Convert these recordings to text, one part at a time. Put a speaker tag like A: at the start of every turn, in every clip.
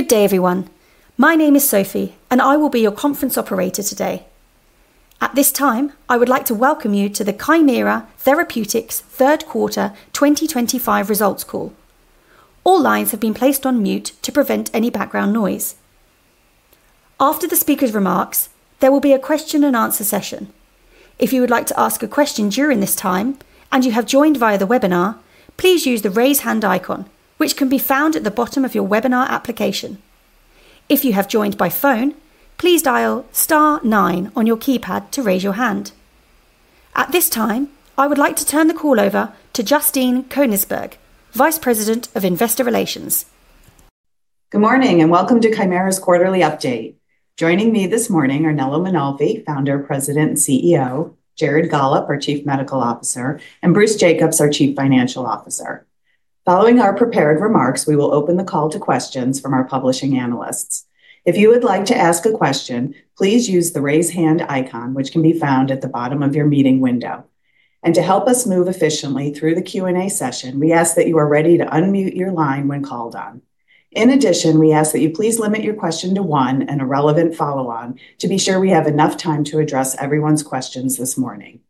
A: Good day, everyone. My name is Sophie, and I will be your conference operator today. At this time, I would like to welcome you to the Kymera Therapeutics third quarter 2025 results call. All lines have been placed on mute to prevent any background noise. After the speakers' remarks, there will be a question-and-answer session. If you would like to ask a question during this time, and you have joined via the webinar, please use the raise hand icon, which can be found at the bottom of your webinar application. If you have joined by phone, please dial star nine on your keypad to raise your hand. At this time, I would like to turn the call over to Justine Koenigsberg, Vice President of Investor Relations.
B: Good morning, and welcome to Kymera's quarterly update. Joining me this morning are Nello Mainolfi, founder, president, and CEO, Jared Gollob, our Chief Medical Officer, and Bruce Jacobs, our Chief Financial Officer. Following our prepared remarks, we will open the call to questions from our publishing analysts. If you would like to ask a question, please use the raise hand icon, which can be found at the bottom of your meeting window. To help us move efficiently through the Q&A session, we ask that you are ready to unmute your line when called on. In addition, we ask that you please limit your question to one and a relevant follow-on to be sure we have enough time to address everyone's questions this morning.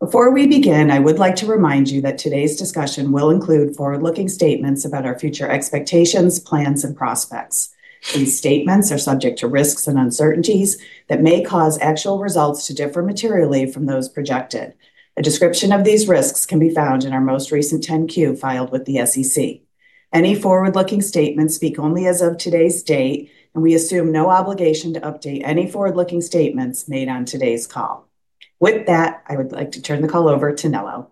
B: Before we begin, I would like to remind you that today's discussion will include forward-looking statements about our future expectations, plans, and prospects. These statements are subject to risks and uncertainties that may cause actual results to differ materially from those projected. A description of these risks can be found in our most recent 10-Q filed with the SEC. Any forward-looking statements speak only as of today's date, and we assume no obligation to update any forward-looking statements made on today's call. With that, I would like to turn the call over to Nello.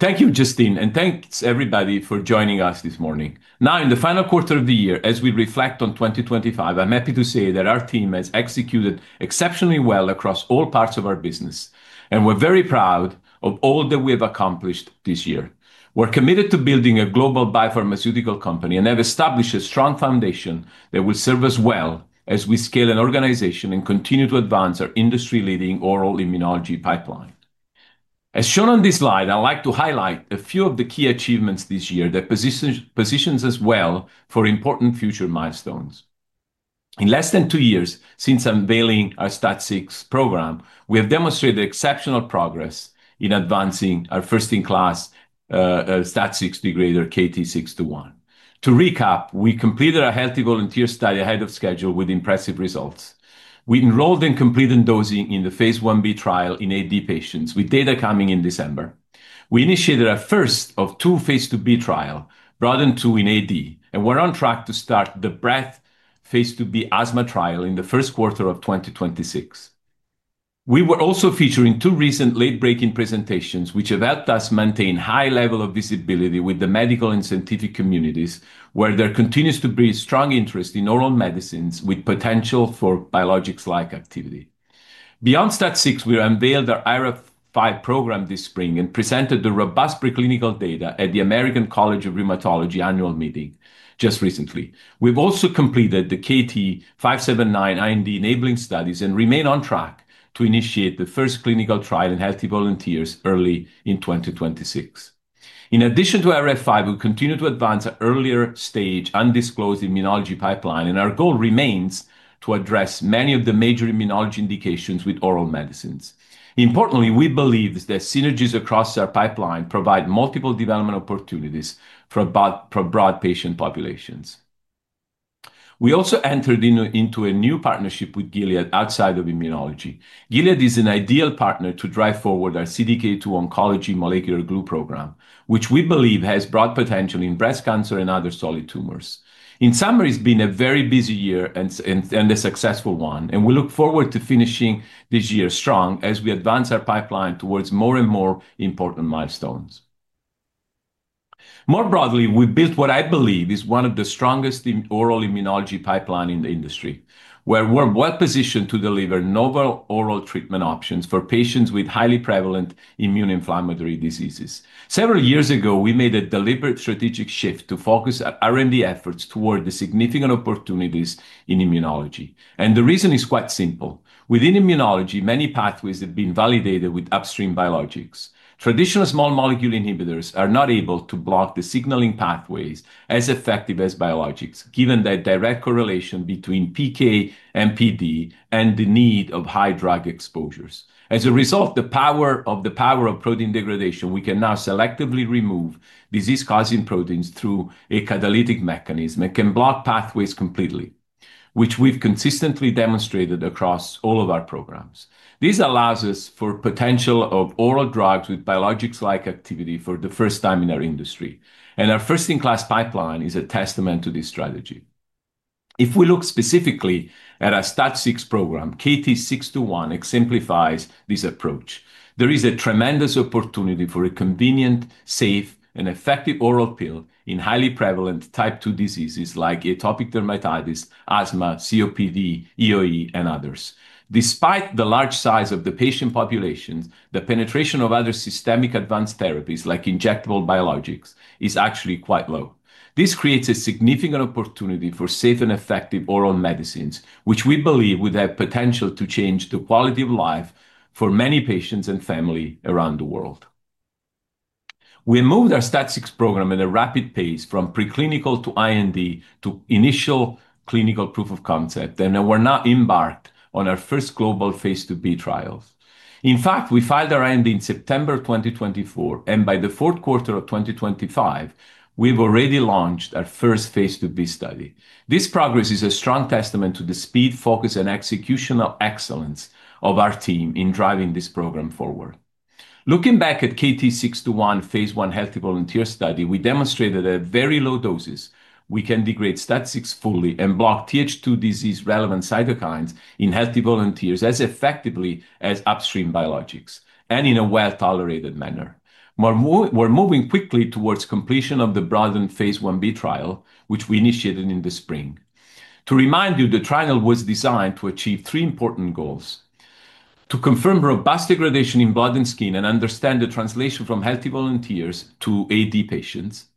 C: Thank you, Justine, and thanks, everybody, for joining us this morning. Now, in the final quarter of the year, as we reflect on 2025, I'm happy to say that our team has executed exceptionally well across all parts of our business, and we're very proud of all that we have accomplished this year. We're committed to building a global biopharmaceutical company and have established a strong foundation that will serve us well as we scale an organization and continue to advance our industry-leading oral immunology pipeline. As shown on this slide, I'd like to highlight a few of the key achievements this year that position us well for important future milestones. In less than two years since unveiling our STAT6 program, we have demonstrated exceptional progress in advancing our first-in-class STAT6 degrader, KT-621. To recap, we completed our healthy volunteer study ahead of schedule with impressive results. We enrolled and completed dosing in the phase I-B trial in AD patients, with data coming in December. We initiated our first of two phase II-B trials, Broaden-2 in AD, and we're on track to start the Breathe phase II-B asthma trial in the first quarter of 2026. We were also featuring two recent late-breaking presentations, which have helped us maintain high levels of visibility with the medical and scientific communities, where there continues to be strong interest in oral medicines with potential for biologics-like activity. Beyond STAT6, we unveiled our IRF5 program this spring and presented the robust preclinical data at the American College of Rheumatology annual meeting just recently. We've also completed the KT-579 IND-enabling studies and remain on track to initiate the first clinical trial in healthy volunteers early in 2026. In addition to IRF5, we continue to advance our earlier stage undisclosed immunology pipeline, and our goal remains to address many of the major immunology indications with oral medicines. Importantly, we believe that synergies across our pipeline provide multiple development opportunities for broad patient populations. We also entered into a new partnership with Gilead outside of immunology. Gilead is an ideal partner to drive forward our CDK2 oncology molecular glue program, which we believe has broad potential in breast cancer and other solid tumors. In summary, it's been a very busy year and a successful one, and we look forward to finishing this year strong as we advance our pipeline towards more and more important milestones. More broadly, we built what I believe is one of the strongest oral immunology pipelines in the industry, where we're well positioned to deliver novel oral treatment options for patients with highly prevalent immune inflammatory diseases. Several years ago, we made a deliberate strategic shift to focus our R&D efforts toward the significant opportunities in immunology. And the reason is quite simple. Within immunology, many pathways have been validated with upstream biologics. Traditional small molecule inhibitors are not able to block the signaling pathways as effective as biologics, given the direct correlation between PK and PD and the need of high drug exposures. As a result of the power of protein degradation, we can now selectively remove disease-causing proteins through a catalytic mechanism and can block pathways completely, which we've consistently demonstrated across all of our programs. This allows us for the potential of oral drugs with biologics-like activity for the first time in our industry, and our first-in-class pipeline is a testament to this strategy. If we look specifically at our STAT6 program, KT-621 exemplifies this approach. There is a tremendous opportunity for a convenient, safe, and effective oral pill in highly prevalent Type 2 diseases like atopic dermatitis, asthma, COPD, EoE, and others. Despite the large size of the patient population, the penetration of other systemic advanced therapies like injectable biologics is actually quite low. This creates a significant opportunity for safe and effective oral medicines, which we believe would have potential to change the quality of life for many patients and families around the world. We moved our STAT6 program at a rapid pace from preclinical to IND to initial clinical proof of concept, and we're now embarked on our first global phase II-B trials. In fact, we filed our IND in September 2024, and by the fourth quarter of 2025, we've already launched our first phase II-B study. This progress is a strong testament to the speed, focus, and executional excellence of our team in driving this program forward. Looking back at KT-621 phase I healthy volunteer study, we demonstrated that at very low doses, we can degrade STAT6 fully and block TH2 disease-relevant cytokines in healthy volunteers as effectively as upstream biologics, and in a well-tolerated manner. We're moving quickly towards completion of the Broaden phase I-B trial, which we initiated in the spring. To remind you, the trial was designed to achieve three important goals: to confirm robust degradation in blood and skin and understand the translation from healthy volunteers to AD patients.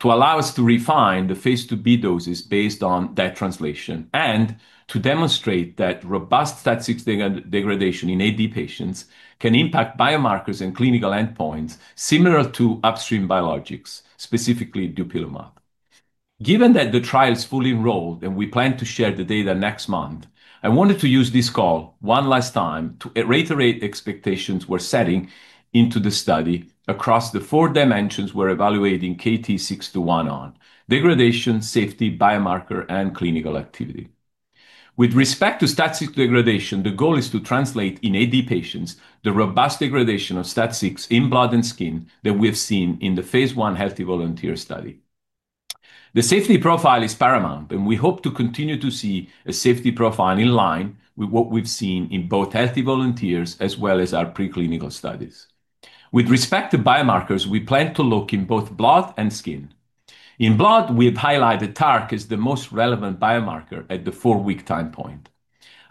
C: To allow us to refine the phase II-B doses based on that translation. And to demonstrate that robust STAT6 degradation in AD patients can impact biomarkers and clinical endpoints similar to upstream biologics, specifically Dupilumab. Given that the trial is fully enrolled and we plan to share the data next month, I wanted to use this call one last time to reiterate the expectations we're setting into the study across the four dimensions we're evaluating KT-621 on: degradation, safety, biomarker, and clinical activity. With respect to STAT6 degradation, the goal is to translate in AD patients the robust degradation of STAT6 in blood and skin that we've seen in the phase I healthy volunteer study. The safety profile is paramount, and we hope to continue to see a safety profile in line with what we've seen in both healthy volunteers as well as our preclinical studies. With respect to biomarkers, we plan to look in both blood and skin. In blood, we've highlighted TARC as the most relevant biomarker at the four-week time point.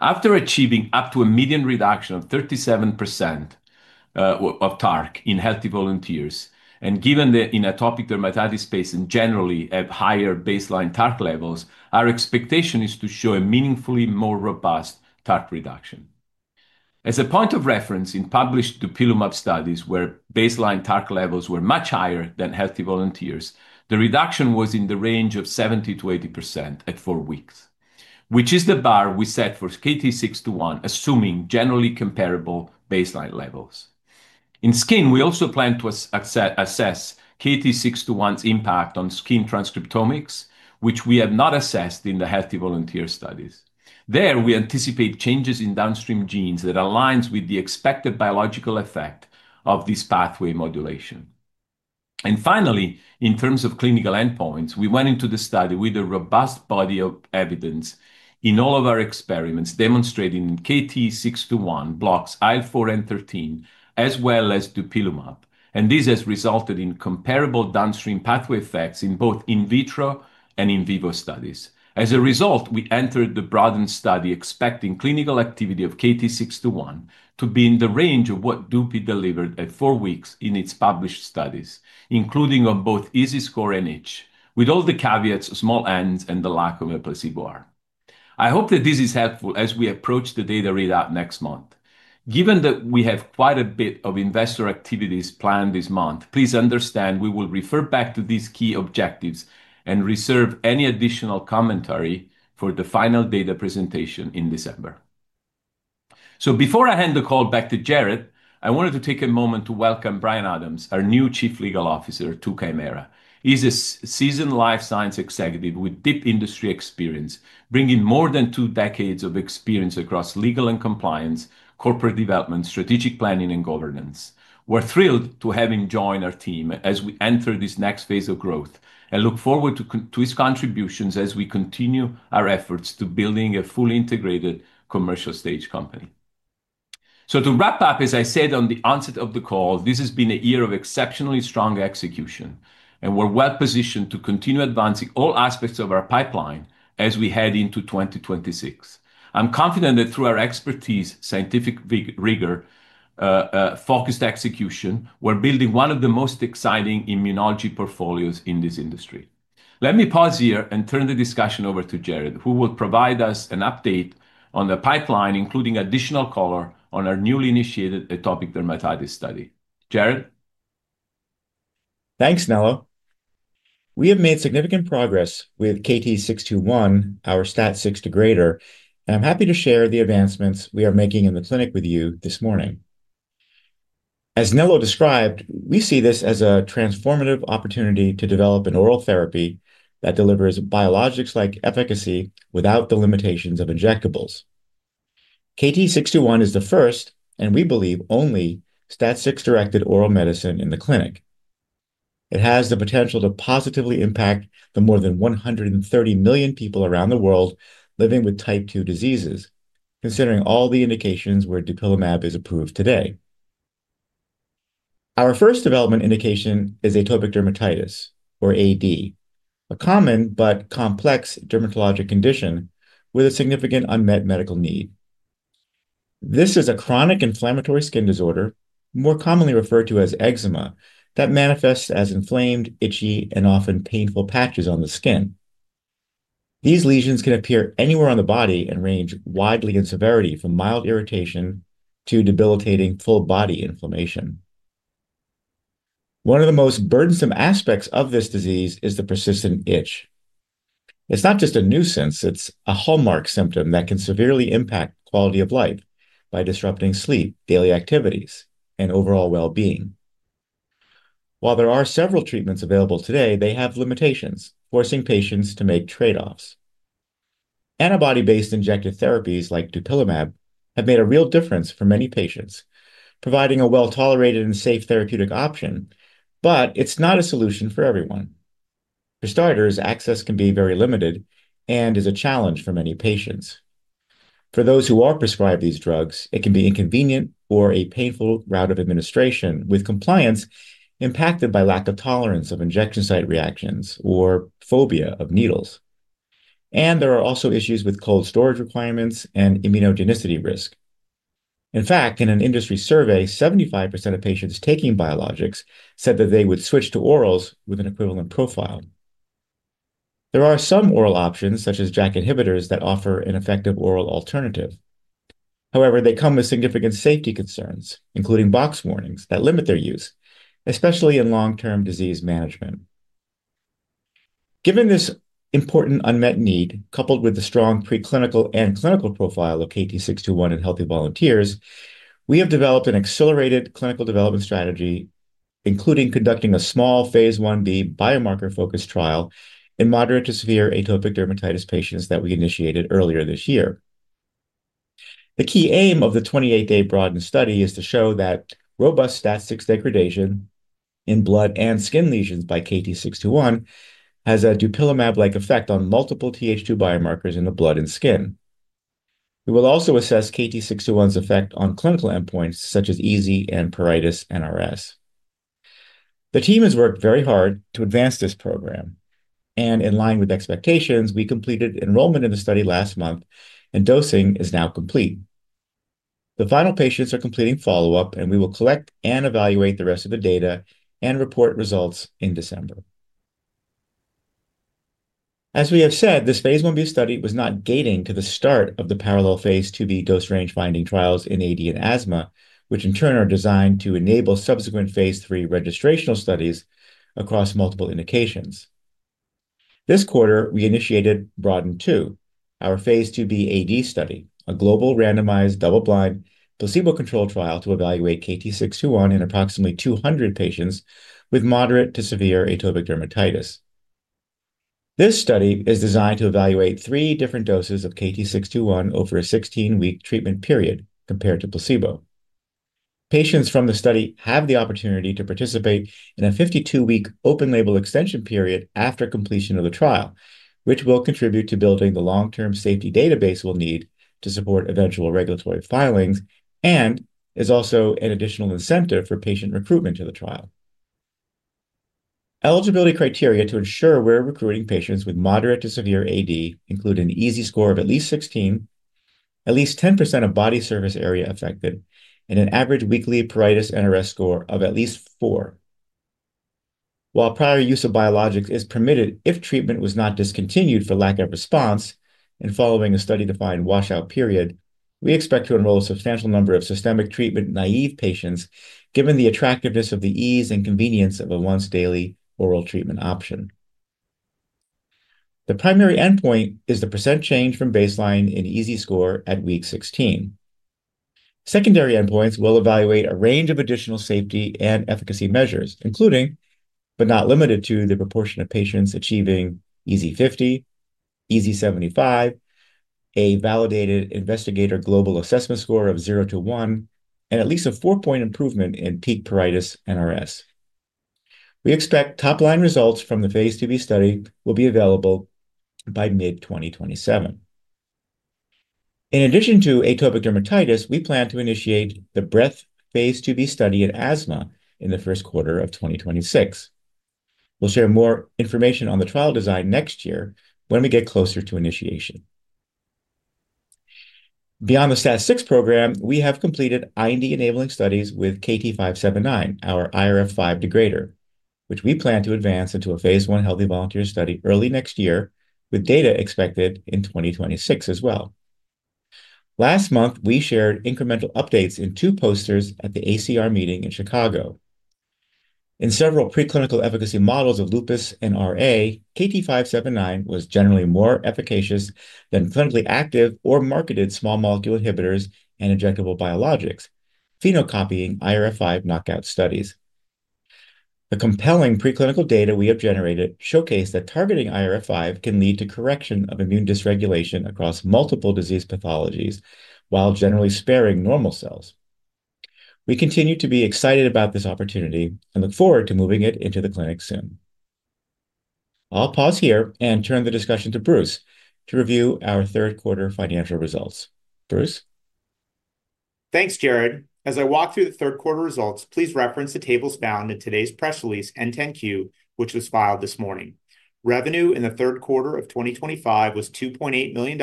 C: After achieving up to a median reduction of 37% of TARC in healthy volunteers, and given that in atopic dermatitis patients generally have higher baseline TARC levels, our expectation is to show a meaningfully more robust TARC reduction. As a point of reference, in published Dupilumab studies where baseline TARC levels were much higher than healthy volunteers, the reduction was in the range of 70%-80% at four weeks, which is the bar we set for KT-621, assuming generally comparable baseline levels. In skin, we also plan to assess KT-621's impact on skin transcriptomics, which we have not assessed in the healthy volunteer studies. There, we anticipate changes in downstream genes that align with the expected biological effect of this pathway modulation, and finally, in terms of clinical endpoints, we went into the study with a robust body of evidence in all of our experiments, demonstrating that KT-621 blocks IL-4 and IL-13, as well as Dupilumab, and this has resulted in comparable downstream pathway effects in both in vitro and in vivo studies. As a result, we entered the Broaden study expecting clinical activity of KT-621 to be in the range of what dupi delivered at four weeks in its published studies, including on both EASI score and pruritus NRS, with all the caveats of small n's and the lack of a placebo. I hope that this is helpful as we approach the data readout next month. Given that we have quite a bit of investor activities planned this month, please understand we will refer back to these key objectives and reserve any additional commentary for the final data presentation in December, so before I hand the call back to Jared, I wanted to take a moment to welcome Brian Adams, our new Chief Legal Officer to Kymera. He's a seasoned life science executive with deep industry experience, bringing more than two decades of experience across legal and compliance, corporate development, strategic planning, and governance. We're thrilled to have him join our team as we enter this next phase of growth and look forward to his contributions as we continue our efforts to build a fully integrated commercial-stage company, so to wrap up, as I said on the onset of the call, this has been a year of exceptionally strong execution, and we're well positioned to continue advancing all aspects of our pipeline as we head into 2026. I'm confident that through our expertise, scientific rigor, focused execution, we're building one of the most exciting immunology portfolios in this industry. Let me pause here and turn the discussion over to Jared, who will provide us an update on the pipeline, including additional color on our newly initiated atopic dermatitis study. Jared.
D: Thanks, Nello. We have made significant progress with KT-621, our STAT6 degrader, and I'm happy to share the advancements we are making in the clinic with you this morning. As Nello described, we see this as a transformative opportunity to develop an oral therapy that delivers biologics-like efficacy without the limitations of injectables. KT-621 is the first, and we believe only, STAT6-directed oral medicine in the clinic. It has the potential to positively impact the more than 130 million people around the world living with Type 2 diseases, considering all the indications where Dupilumab is approved today. Our first development indication is atopic dermatitis, or AD, a common but complex dermatologic condition with a significant unmet medical need. This is a chronic inflammatory skin disorder, more commonly referred to as eczema, that manifests as inflamed, itchy, and often painful patches on the skin. These lesions can appear anywhere on the body and range widely in severity from mild irritation to debilitating full-body inflammation. One of the most burdensome aspects of this disease is the persistent itch. It's not just a nuisance. It's a hallmark symptom that can severely impact quality of life by disrupting sleep, daily activities, and overall well-being. While there are several treatments available today, they have limitations, forcing patients to make trade-offs. Antibody-based injectable therapies like Dupilumab have made a real difference for many patients, providing a well-tolerated and safe therapeutic option, but it's not a solution for everyone. For starters, access can be very limited and is a challenge for many patients. For those who are prescribed these drugs, it can be inconvenient or a painful route of administration, with compliance impacted by lack of tolerance of injection site reactions or phobia of needles, and there are also issues with cold storage requirements and immunogenicity risk. In fact, in an industry survey, 75% of patients taking biologics said that they would switch to orals with an equivalent profile. There are some oral options, such as JAK inhibitors, that offer an effective oral alternative. However, they come with significant safety concerns, including box warnings that limit their use, especially in long-term disease management. Given this important unmet need, coupled with the strong preclinical and clinical profile of KT-621 in healthy volunteers, we have developed an accelerated clinical development strategy, including conducting a small phase I-B biomarker-focused trial in moderate-to-severe atopic dermatitis patients that we initiated earlier this year. The key aim of the 28-day Broaden study is to show that robust STAT6 degradation in blood and skin lesions by KT-621 has a Dupilumab-like effect on multiple TH2 biomarkers in the blood and skin. We will also assess KT-621's effect on clinical endpoints such as EASI and pruritus NRS. The team has worked very hard to advance this program, and in line with expectations, we completed enrollment in the study last month, and dosing is now complete. The final patients are completing follow-up, and we will collect and evaluate the rest of the data and report results in December. As we have said, this phase I-B study was not gating to the start of the parallel phase II-B dose range-finding trials in AD and asthma, which in turn are designed to enable subsequent phase II registrational studies across multiple indications. This quarter, we initiated Broaden-2, our phase II-B AD study, a global randomized double-blind placebo-controlled trial to evaluate KT-621 in approximately 200 patients with moderate to severe atopic dermatitis. This study is designed to evaluate three different doses of KT-621 over a 16-week treatment period compared to placebo. Patients from the study have the opportunity to participate in a 52-week open-label extension period after completion of the trial, which will contribute to building the long-term safety database we'll need to support eventual regulatory filings and is also an additional incentive for patient recruitment to the trial. Eligibility criteria to ensure we're recruiting patients with moderate to severe AD include an EASI score of at least 16, at least 10% of body surface area affected, and an average weekly pruritus NRS score of at least 4. While prior use of biologics is permitted if treatment was not discontinued for lack of response and following a study-defined washout period, we expect to enroll a substantial number of systemic treatment naive patients given the attractiveness of the ease and convenience of a once-daily oral treatment option. The primary endpoint is the percent change from baseline in EASI score at week 16. Secondary endpoints will evaluate a range of additional safety and efficacy measures, including, but not limited to, the proportion of patients achieving EASI 50, EASI 75, a validated investigator global assessment score of 0 to 1, and at least a four-point improvement in peak pruritus NRS. We expect top-line results from the phase II-B study will be available by mid-2027. In addition to atopic dermatitis, we plan to initiate the Breathe phase II-B study in asthma in the first quarter of 2026. We'll share more information on the trial design next year when we get closer to initiation. Beyond the STAT6 program, we have completed IND-enabling studies with KT-579, our IRF5 degrader, which we plan to advance into a phase I healthy volunteer study early next year with data expected in 2026 as well. Last month, we shared incremental updates in two posters at the ACR meeting in Chicago. In several preclinical efficacy models of lupus and RA, KT-579 was generally more efficacious than clinically active or marketed small molecule inhibitors and injectable biologics, phenocopying IRF5 knockout studies. The compelling preclinical data we have generated showcased that targeting IRF5 can lead to correction of immune dysregulation across multiple disease pathologies while generally sparing normal cells. We continue to be excited about this opportunity and look forward to moving it into the clinic soon. I'll pause here and turn the discussion to Bruce to review our third-quarter financial results. Bruce.
E: Thanks, Jared. As I walk through the third-quarter results, please reference the tables found in today's press release 10-Q, which was filed this morning. Revenue in the third quarter of 2025 was $2.8 million,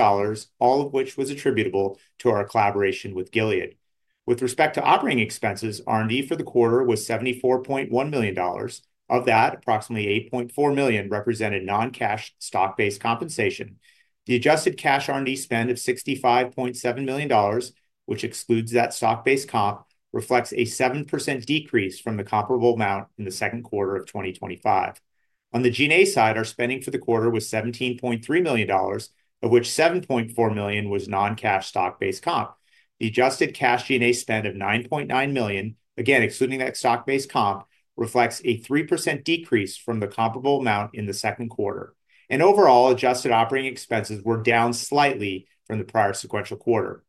E: all of which was attributable to our collaboration with Gilead. With respect to operating expenses, R&D for the quarter was $74.1 million. Of that, approximately $8.4 million represented non-cash stock-based compensation. The adjusted cash R&D spend of $65.7 million, which excludes that stock-based comp, reflects a 7% decrease from the comparable amount in the second quarter of 2025. On the G&A side, our spending for the quarter was $17.3 million, of which $7.4 million was non-cash stock-based comp. The adjusted cash G&A spend of $9.9 million, again excluding that stock-based comp, reflects a 3% decrease from the comparable amount in the second quarter, and overall, adjusted operating expenses were down slightly from the prior sequential quarter.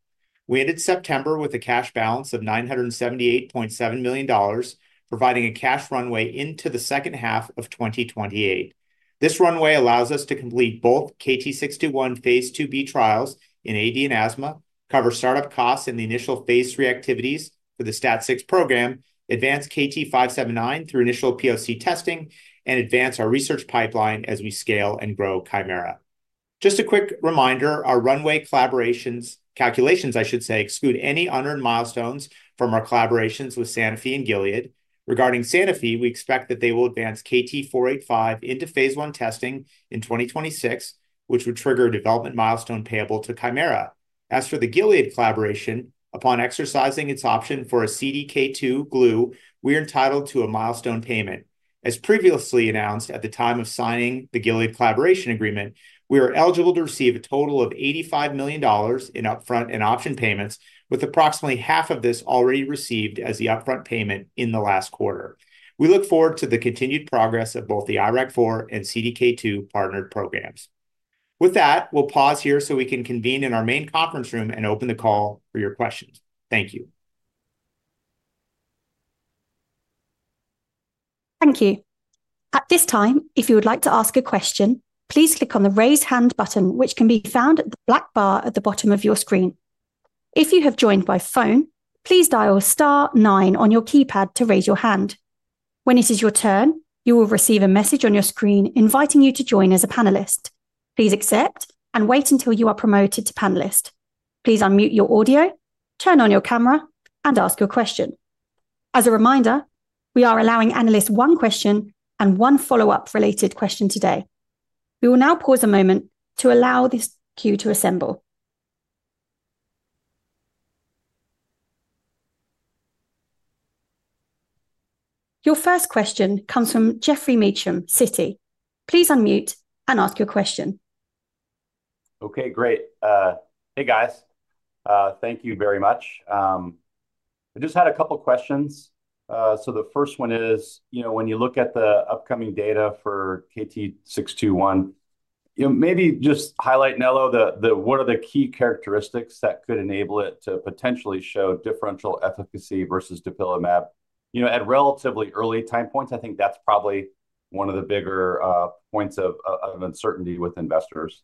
E: We ended September with a cash balance of $978.7 million, providing a cash runway into the second half of 2028. This runway allows us to complete both KT-621 phase II-B trials in AD and asthma, cover startup costs in the initial phase III activities for the STAT6 program, advance KT-579 through initial POC testing, and advance our research pipeline as we scale and grow Kymera. Just a quick reminder, our runway calculations, I should say, exclude any unearned milestones from our collaborations with Sanofi and Gilead. Regarding Sanofi, we expect that they will advance KT-485 into phase I testing in 2026, which would trigger a development milestone payable to Kymera. As for the Gilead collaboration, upon exercising its option for a CDK2 glue, we are entitled to a milestone payment. As previously announced at the time of signing the Gilead collaboration agreement, we are eligible to receive a total of $85 million in upfront and option payments, with approximately half of this already received as the upfront payment in the last quarter. We look forward to the continued progress of both the IRAK4 and CDK2 partnered programs. With that, we'll pause here so we can convene in our main conference room and open the call for your questions. Thank you.
A: Thank you. At this time, if you would like to ask a question, please click on the raise hand button, which can be found at the black bar at the bottom of your screen. If you have joined by phone, please dial star nine on your keypad to raise your hand. When it is your turn, you will receive a message on your screen inviting you to join as a panelist. Please accept and wait until you are prompted to panelist. Please unmute your audio, turn on your camera, and ask your question. As a reminder, we are allowing analysts one question and one follow-up related question today. We will now pause a moment to allow this queue to assemble. Your first question comes from Geoff Meacham, Citi. Please unmute and ask your question.
F: Okay, great. Hey, guys. Thank you very much. I just had a couple of questions. So the first one is, you know, when you look at the upcoming data for KT-621, you know, maybe just highlight, Nello, the what are the key characteristics that could enable it to potentially show differential efficacy versus Dupilumab at relatively early time points? I think that's probably one of the bigger points of uncertainty with investors.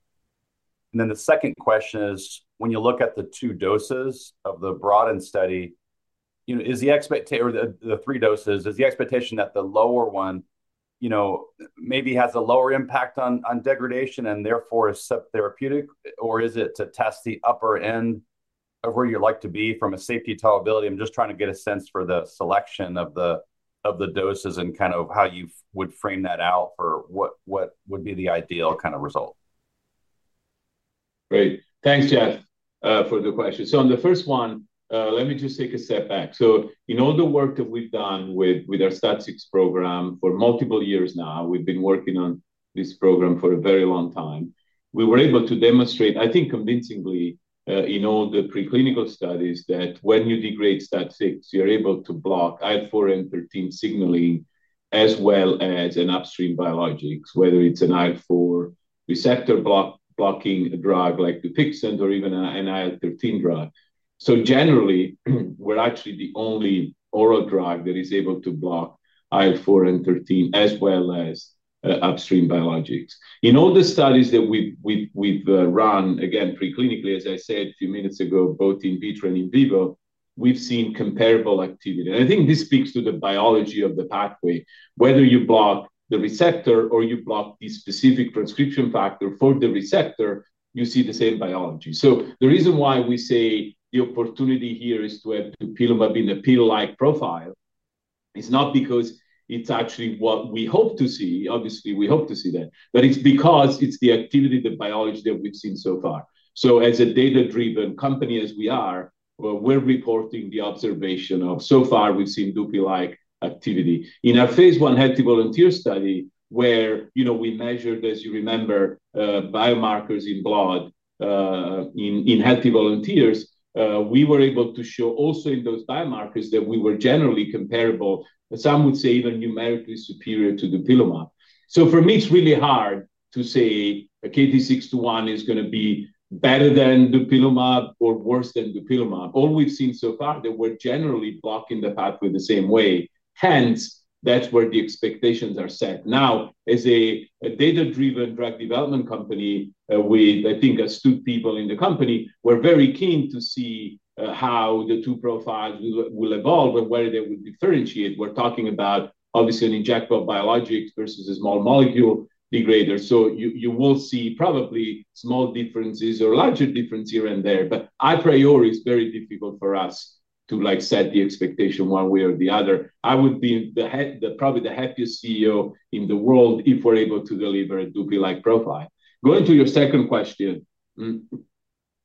F: And then the second question is, when you look at the two doses of the Broaden study, you know, is the expectation or the three doses, is the expectation that the lower one, you know, maybe has a lower impact on degradation and therefore is subtherapeutic, or is it to test the upper end of where you'd like to be from a safety tolerability? I'm just trying to get a sense for the selection of the doses and kind of how you would frame that out for what would be the ideal kind of result.
C: Great. Thanks, Geoff, for the question. So on the first one, let me just take a step back. So in all the work that we've done with our STAT6 program for multiple years now, we've been working on this program for a very long time. We were able to demonstrate, I think convincingly, in all the preclinical studies that when you degrade STAT6, you're able to block IL-4 and IL-13 signaling as well as an upstream biologics, whether it's an IL-4 receptor blocking drug like Dupixent or even an IL-13 drug. So generally, we're actually the only oral drug that is able to block IL-4 and IL-13 as well as upstream biologics. In all the studies that we've run, again, preclinically, as I said a few minutes ago, both in vitro and in vivo, we've seen comparable activity. And I think this speaks to the biology of the pathway. Whether you block the receptor or you block the specific transcription factor for the receptor, you see the same biology. So the reason why we say the opportunity here is to have Dupilumab in a pill-like profile is not because it's actually what we hope to see. Obviously, we hope to see that. But it's because it's the activity, the biology that we've seen so far. So as a data-driven company as we are, we're reporting the observation of, so far, we've seen dupi-like activity. In our phase I healthy volunteer study, where, you know, we measured, as you remember, biomarkers in blood. In healthy volunteers, we were able to show also in those biomarkers that we were generally comparable, some would say even numerically superior to Dupilumab. So for me, it's really hard to say KT-621 is going to be better than Dupilumab or worse than Dupilumab. All we've seen so far, they were generally blocking the pathway the same way. Hence, that's where the expectations are set. Now, as a data-driven drug development company with, I think, astute people in the company, we're very keen to see how the two profiles will evolve and where they will differentiate. We're talking about, obviously, an injectable biologic versus a small molecule degrader. So you will see probably small differences or larger differences here and there. But a priori, it's very difficult for us to, like, set the expectation one way or the other. I would be probably the happiest CEO in the world if we're able to deliver a dupi-like profile. Going to your second question.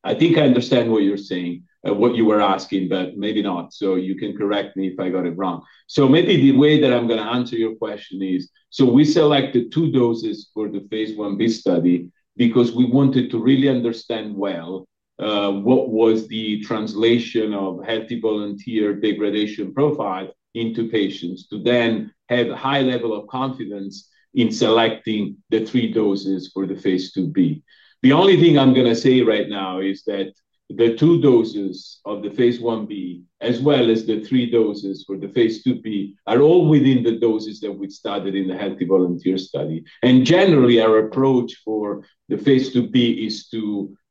C: I think I understand what you're saying, what you were asking, but maybe not. So you can correct me if I got it wrong. So maybe the way that I'm going to answer your question is, so we selected two doses for the phase I-B study because we wanted to really understand well what was the translation of healthy volunteer degradation profile into patients to then have a high level of confidence in selecting the three doses for the phase II-B. The only thing I'm going to say right now is that the two doses of the phase I-B, as well as the three doses for the phase II-B, are all within the doses that we've started in the healthy volunteer study. And generally, our approach for the phase II-B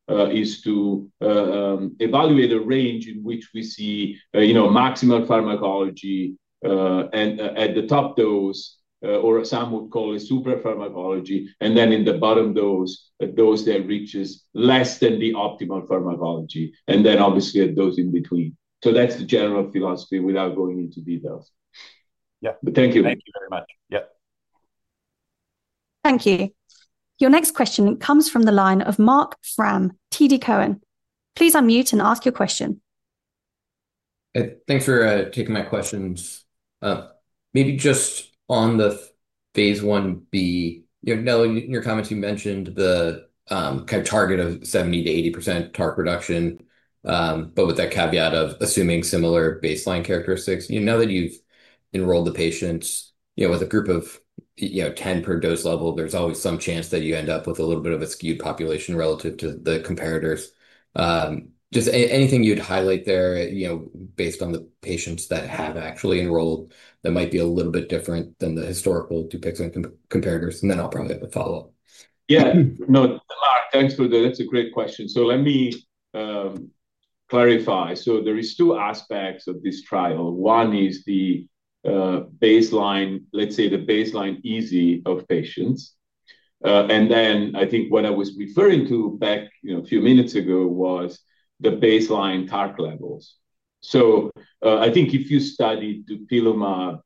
C: is to evaluate a range in which we see, you know, maximal pharmacology at the top dose, or some would call it super pharmacology, and then in the bottom dose, a dose that reaches less than the optimal pharmacology, and then obviously a dose in between. So that's the general philosophy without going into details. Yeah. But thank you.
F: Thank you very much. Yep.
A: Thank you. Your next question comes from the line of Marc Frahm, TD Cowen. Please unmute and ask your question.
G: Thanks for taking my questions. Maybe just on the phase I-B, you know, Nello, in your comments, you mentioned the kind of target of 70%-80% TARC production. But with that caveat of assuming similar baseline characteristics, you know, now that you've enrolled the patients, you know, with a group of, you know, 10 per dose level, there's always some chance that you end up with a little bit of a skewed population relative to the comparators. Just anything you'd highlight there, you know, based on the patients that have actually enrolled that might be a little bit different than the historical Dupixent comparators? And then I'll probably have a follow-up.
C: Yeah. No, Mar, thanks for that. That's a great question. So let me clarify. So there are two aspects of this trial. One is the baseline, let's say the baseline EASI of patients. And then I think what I was referring to back, you know, a few minutes ago was the baseline TARC levels. So I think if you study Dupilumab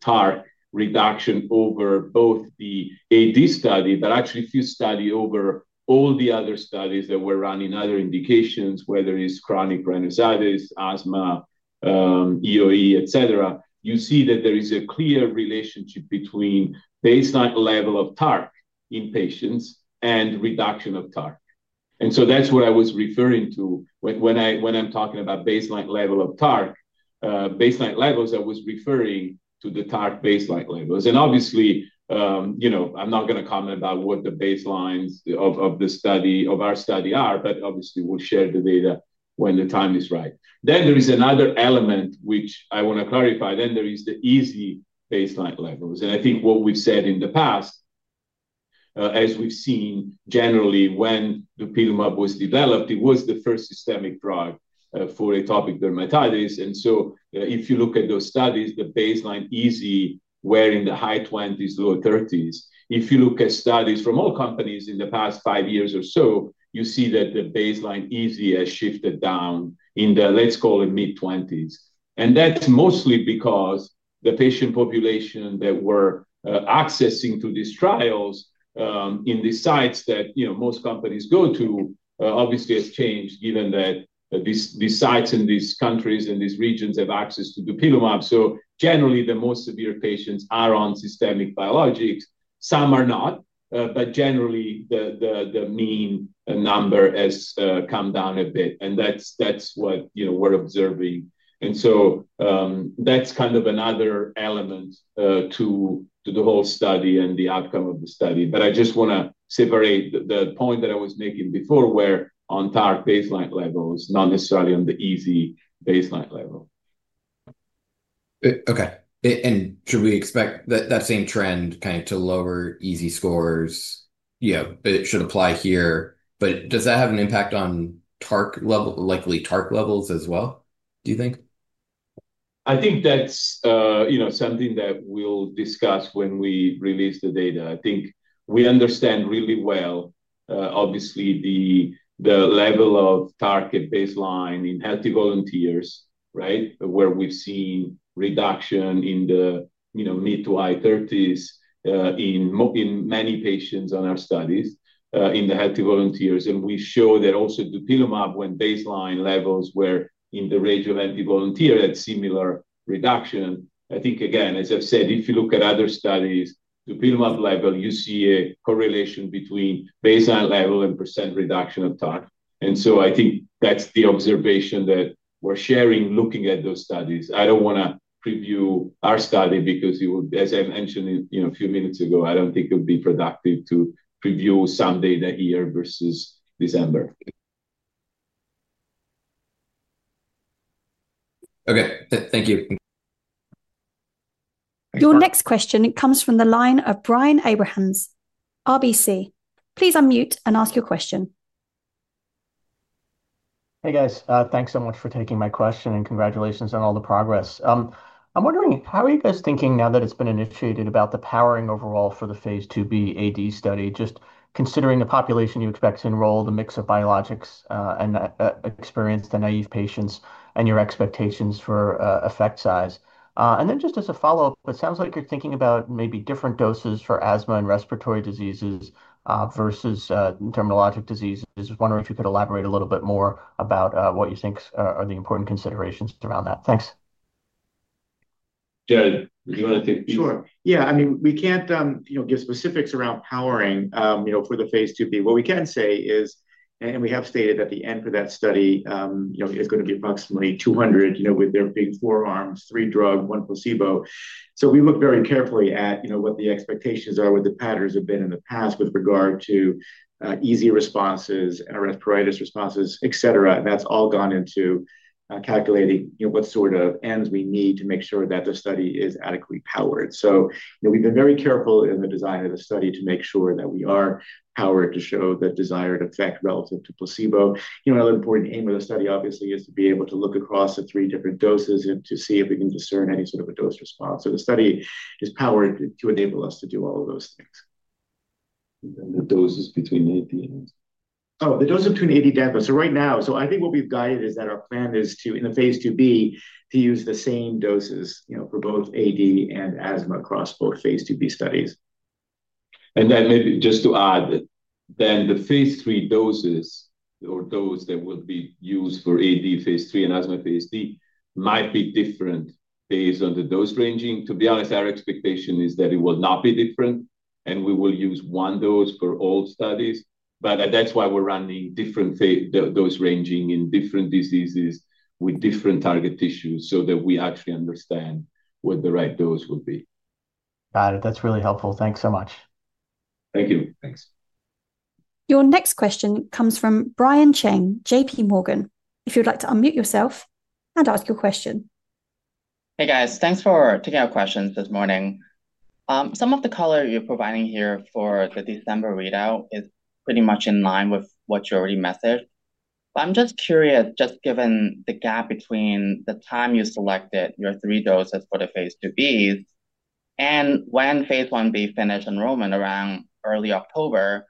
C: TARC reduction over both the AD study, but actually if you study over all the other studies that were run in other indications, whether it's chronic rhinosinusitis, asthma, EoE, etc, you see that there is a clear relationship between baseline level of TARC in patients and reduction of TARC. And so that's what I was referring to when I'm talking about baseline level of TARC. Baseline levels, I was referring to the TARC baseline levels. And obviously, you know, I'm not going to comment about what the baselines of the study, of our study are, but obviously we'll share the data when the time is right. Then there is another element which I want to clarify. Then there are the EASI baseline levels. And I think what we've said in the past. As we've seen, generally, when Dupilumab was developed, it was the first systemic drug for atopic dermatitis. And so if you look at those studies, the baseline EASI were in the high 20s, low 30s. If you look at studies from all companies in the past five years or so, you see that the baseline EASI has shifted down in the, let's call it, mid 20s. And that's mostly because the patient population that were accessing these trials in the sites that, you know, most companies go to, obviously has changed given that these sites and these countries and these regions have access to Dupilumab. So generally, the most severe patients are on systemic biologics. Some are not, but generally, the mean number has come down a bit. And that's what we're observing. And so that's kind of another element to the whole study and the outcome of the study. But I just want to separate the point that I was making before where on TARC baseline levels, not necessarily on the EASI baseline level.
G: Okay. And should we expect that same trend kind of to lower EASI scores, you know, it should apply here, but does that have an impact on likely TARC levels as well, do you think?
C: I think that's, you know, something that we'll discuss when we release the data. I think we understand really well, obviously, the level of target baseline in healthy volunteers, right, where we've seen reduction in the, you know, mid to high 30s in many patients on our studies in the healthy volunteers. And we show that also Dupilumab when baseline levels were in the range of healthy volunteers had similar reduction. I think, again, as I've said, if you look at other studies, Dupilumab level, you see a correlation between baseline level and percent reduction of TARC. And so I think that's the observation that we're sharing looking at those studies. I don't want to preview our study because it would, as I mentioned a few minutes ago, I don't think it would be productive to preview some data here versus December.
G: Okay. Thank you.
A: Your next question, it comes from the line of Brian Abrahams, RBC. Please unmute and ask your question.
H: Hey, guys. Thanks so much for taking my question and congratulations on all the progress. I'm wondering, how are you guys thinking now that it's been initiated about the powering overall for the phase II-B AD study, just considering the population you expect to enroll, the mix of biologic-experienced and naïve patients, and your expectations for effect size? Then just as a follow-up, it sounds like you're thinking about maybe different doses for asthma and respiratory diseases versus dermatologic diseases. I was wondering if you could elaborate a little bit more about what you think are the important considerations around that. Thanks.
C: Yeah. Do you want to take?
D: Sure. Yeah. I mean, we can't, you know, give specifics around powering, you know, for the phase II-B. What we can say is, and we have stated, and that study, you know, is going to be approximately 200, you know, with there being four arms, three drug, one placebo. So we look very carefully at, you know, what the expectations are, what the patterns have been in the past with regard to EASI responses, pruritus responses, e.t.c. And that's all gone into calculating, you know, what sort of N's we need to make sure that the study is adequately powered. So, you know, we've been very careful in the design of the study to make sure that we are powered to show the desired effect relative to placebo. You know, another important aim of the study, obviously, is to be able to look across the three different doses and to see if we can discern any sort of a dose response. So the study is powered to enable us to do all of those things.
C: The doses between AD and?
D: Oh, the dose between AD and asthma. So right now, so I think what we've guided is that our plan is to, in the phase II-B, to use the same doses, you know, for both AD and asthma across both phase II-B studies.
C: And then maybe just to add that then the phase III doses or those that will be used for AD phase III and asthma phase III might be different based on the dose ranging. To be honest, our expectation is that it will not be different. And we will use one dose for all studies. But that's why we're running different dose ranging in different diseases with different target tissues so that we actually understand what the right dose will be.
H: Got it. That's really helpful. Thanks so much.
C: Thank you.
D: Thanks.
A: Your next question comes from Brian Cheng, JPMorgan. If you'd like to unmute yourself and ask your question.
I: Hey, guys. Thanks for taking our questions this morning. Some of the color you're providing here for the December readout is pretty much in line with what you already messaged. But I'm just curious, just given the gap between the time you selected your three doses for the phase II-B's and when phase I-B finished enrollment around early October,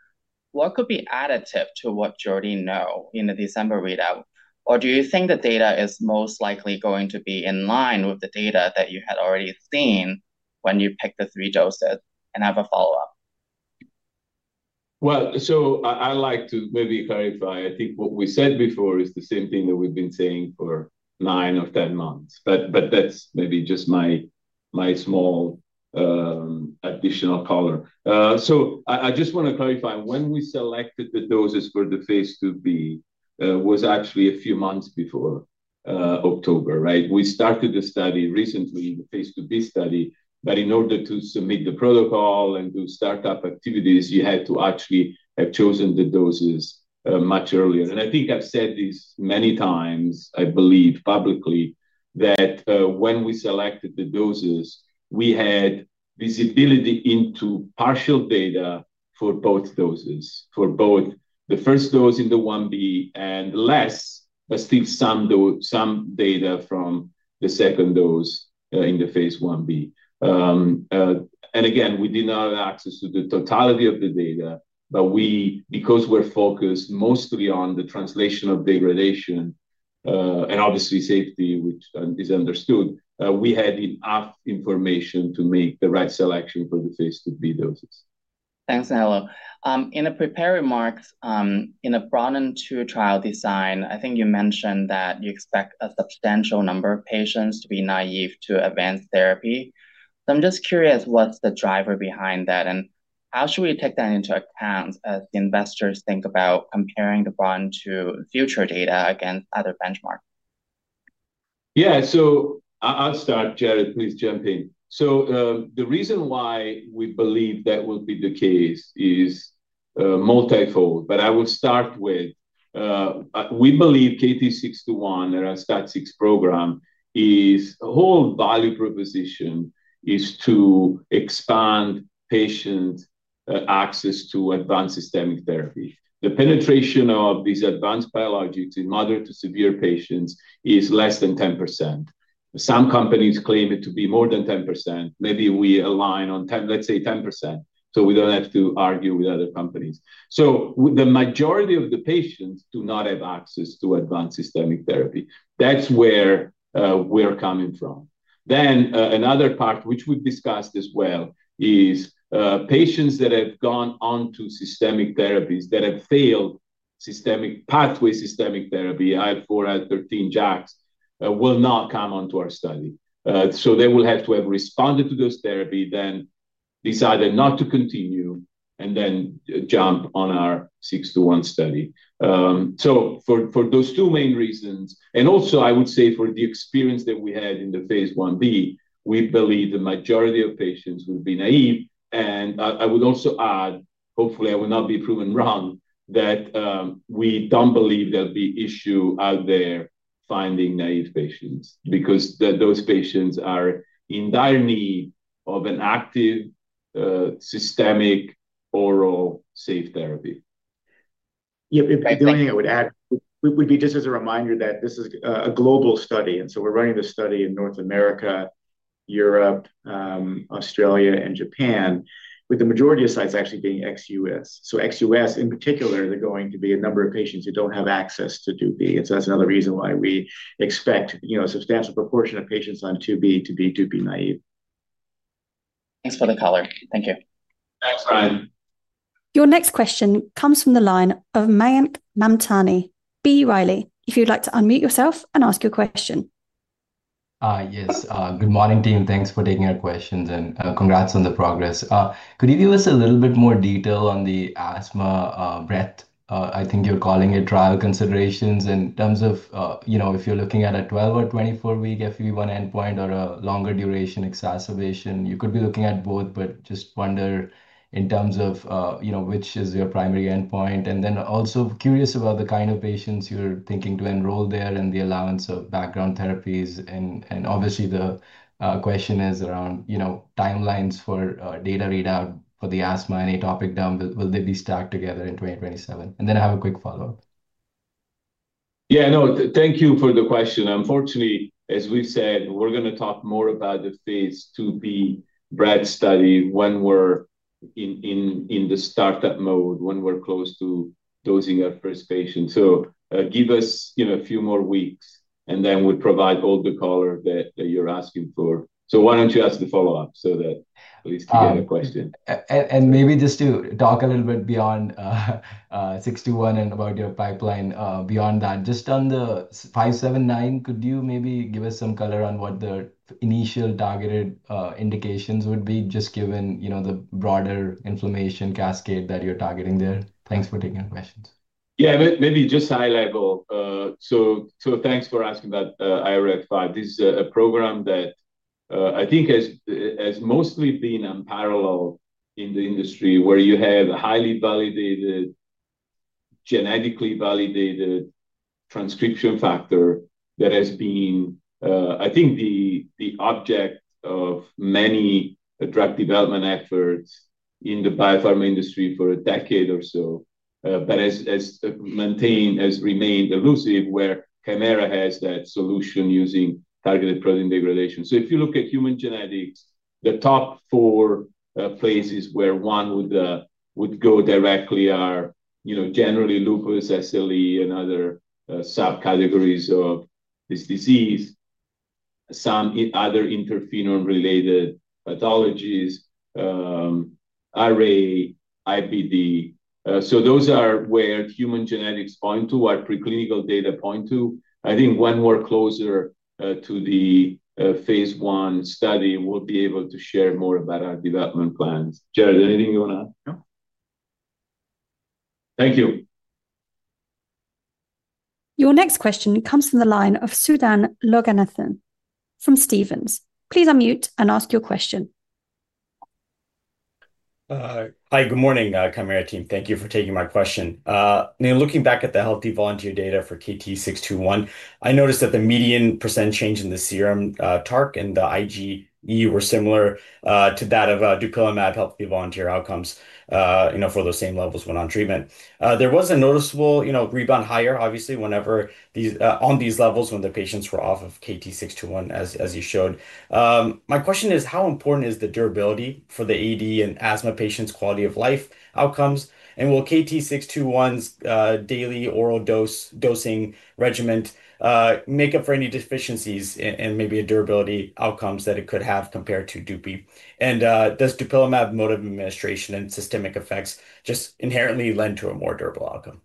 I: what could be additive to what you already know in the December readout? Or do you think the data is most likely going to be in line with the data that you had already seen when you picked the three doses and have a follow-up?
C: Well, so I like to maybe clarify. I think what we said before is the same thing that we've been saying for nine or 10 months. But that's maybe just my small additional color. So I just want to clarify. When we selected the doses for the phase II-B, it was actually a few months before October, right? We started the study recently, the phase II-B study, but in order to submit the protocol and do startup activities, you had to actually have chosen the doses much earlier. And I think I've said this many times, I believe publicly, that when we selected the doses, we had visibility into partial data for both doses, for both the first dose in the I-B and less, but still some data from the second dose in the phase I-B. And again, we did not have access to the totality of the data, but we, because we're focused mostly on the translation of degradation. And obviously safety, which is understood, we had enough information to make the right selection for the phase II-B doses.
I: Thanks, Nello. In a preparatory remark, in the Broaden-2 trial design, I think you mentioned that you expect a substantial number of patients to be naive to advanced therapy. So I'm just curious what's the driver behind that, and how should we take that into account as the investors think about comparing the Broaden-2 future data against other benchmarks?
C: Yeah. So I'll start. Jared, please jump in. So the reason why we believe that will be the case is multifold, but I will start with. We believe KT-621 and our STAT6 program is a whole value proposition is to expand patient access to advanced systemic therapy. The penetration of these advanced biologics in moderate to severe patients is less than 10%. Some companies claim it to be more than 10%. Maybe we align on, let's say, 10%, so we don't have to argue with other companies. So the majority of the patients do not have access to advanced systemic therapy. That's where we're coming from. Then another part, which we've discussed as well, is patients that have gone on to systemic therapies that have failed systemic pathway systemic therapy, IL-4, IL-13, JAKs, will not come onto our study. So they will have to have responded to those therapy, then decided not to continue, and then jump on our KT-621 study. So for those two main reasons, and also I would say for the experience that we had in the phase I-B, we believe the majority of patients will be naive. And I would also add, hopefully, I will not be proven wrong, that we don't believe there'll be issue out there finding naive patients because those patients are in dire need of an active systemic oral safe therapy.
D: Yeah. If I could, I would add, it would be just as a reminder that this is a global study. And so we're running this study in North America, Europe, Australia, and Japan, with the majority of sites actually being ex-U.S. So ex-U.S., in particular, there are going to be a number of patients who don't have access to dupi. And so that's another reason why we expect, you know, a substantial proportion of patients on dupi to be dupi naive.
I: Thanks for the color. Thank you.
C: Thanks, Brian.
A: Your next question comes from the line of Mayank Mamtani, B. Riley, if you'd like to unmute yourself and ask your question.
J: Yes. Good morning, team. Thanks for taking our questions and congrats on the progress. Could you give us a little bit more detail on the asthma Breathe, I think you're calling it, trial considerations in terms of, you know, if you're looking at a 12 or 24-week FEV1 endpoint or a longer duration exacerbation, you could be looking at both, but just wonder in terms of, you know, which is your primary endpoint. And then also curious about the kind of patients you're thinking to enroll there and the allowance of background therapies. And obviously, the question is around, you know, timelines for data readout for the asthma and atopic dermatitis, will they be stacked together in 2027? And then I have a quick follow-up.
C: Yeah. No, thank you for the question. Unfortunately, as we've said, we're going to talk more about the phase II-B Breathe study when we're in the startup mode, when we're close to dosing our first patient. So give us, you know, a few more weeks, and then we'll provide all the color that you're asking for. So why don't you ask the follow-up so that at least we get a question.
J: And maybe just to talk a little bit beyond KT-621 and about your pipeline beyond that, just on the KT-579, could you maybe give us some color on what the initial targeted indications would be just given, you know, the broader inflammation cascade that you're targeting there? Thanks for taking our questions.
C: Yeah. Maybe just high level. So thanks for asking that, IRF5. This is a program that. I think has mostly been unparalleled in the industry where you have a highly validated. Genetically validated. Transcription factor that has been, I think, the object of many drug development efforts in the biopharma industry for a decade or so, but has maintained, has remained elusive where Kymera has that solution using targeted protein degradation. So if you look at human genetics, the top four. Places where one would go directly are, you know, generally lupus, SLE, and other subcategories of this disease. Some other interferon-related pathologies. RA, IPF. So those are where human genetics point to, our preclinical data point to. I think once we're closer to the. phase I study will be able to share more about our development plans. Jared, anything you want to add?
D: No.
J: Thank you.
A: Your next question comes from the line of Sudan Loganathan from Stephens. Please unmute and ask your question.
K: Hi, good morning, Kymera team. Thank you for taking my question. Looking back at the healthy volunteer data for KT-621, I noticed that the median percent change in the serum TARC and the IgE were similar to that of Dupilumab healthy volunteer outcomes, you know, for those same levels when on treatment. There was a noticeable, you know, rebound higher, obviously, whenever these on these levels when the patients were off of KT-621, as you showed. My question is, how important is the durability for the AD and asthma patients' quality of life outcomes? And will KT-621's daily oral dosing regimen make up for any deficiencies and maybe durability outcomes that it could have compared to Dupi? And does Dupilumab mode of administration and systemic effects just inherently lend to a more durable outcome?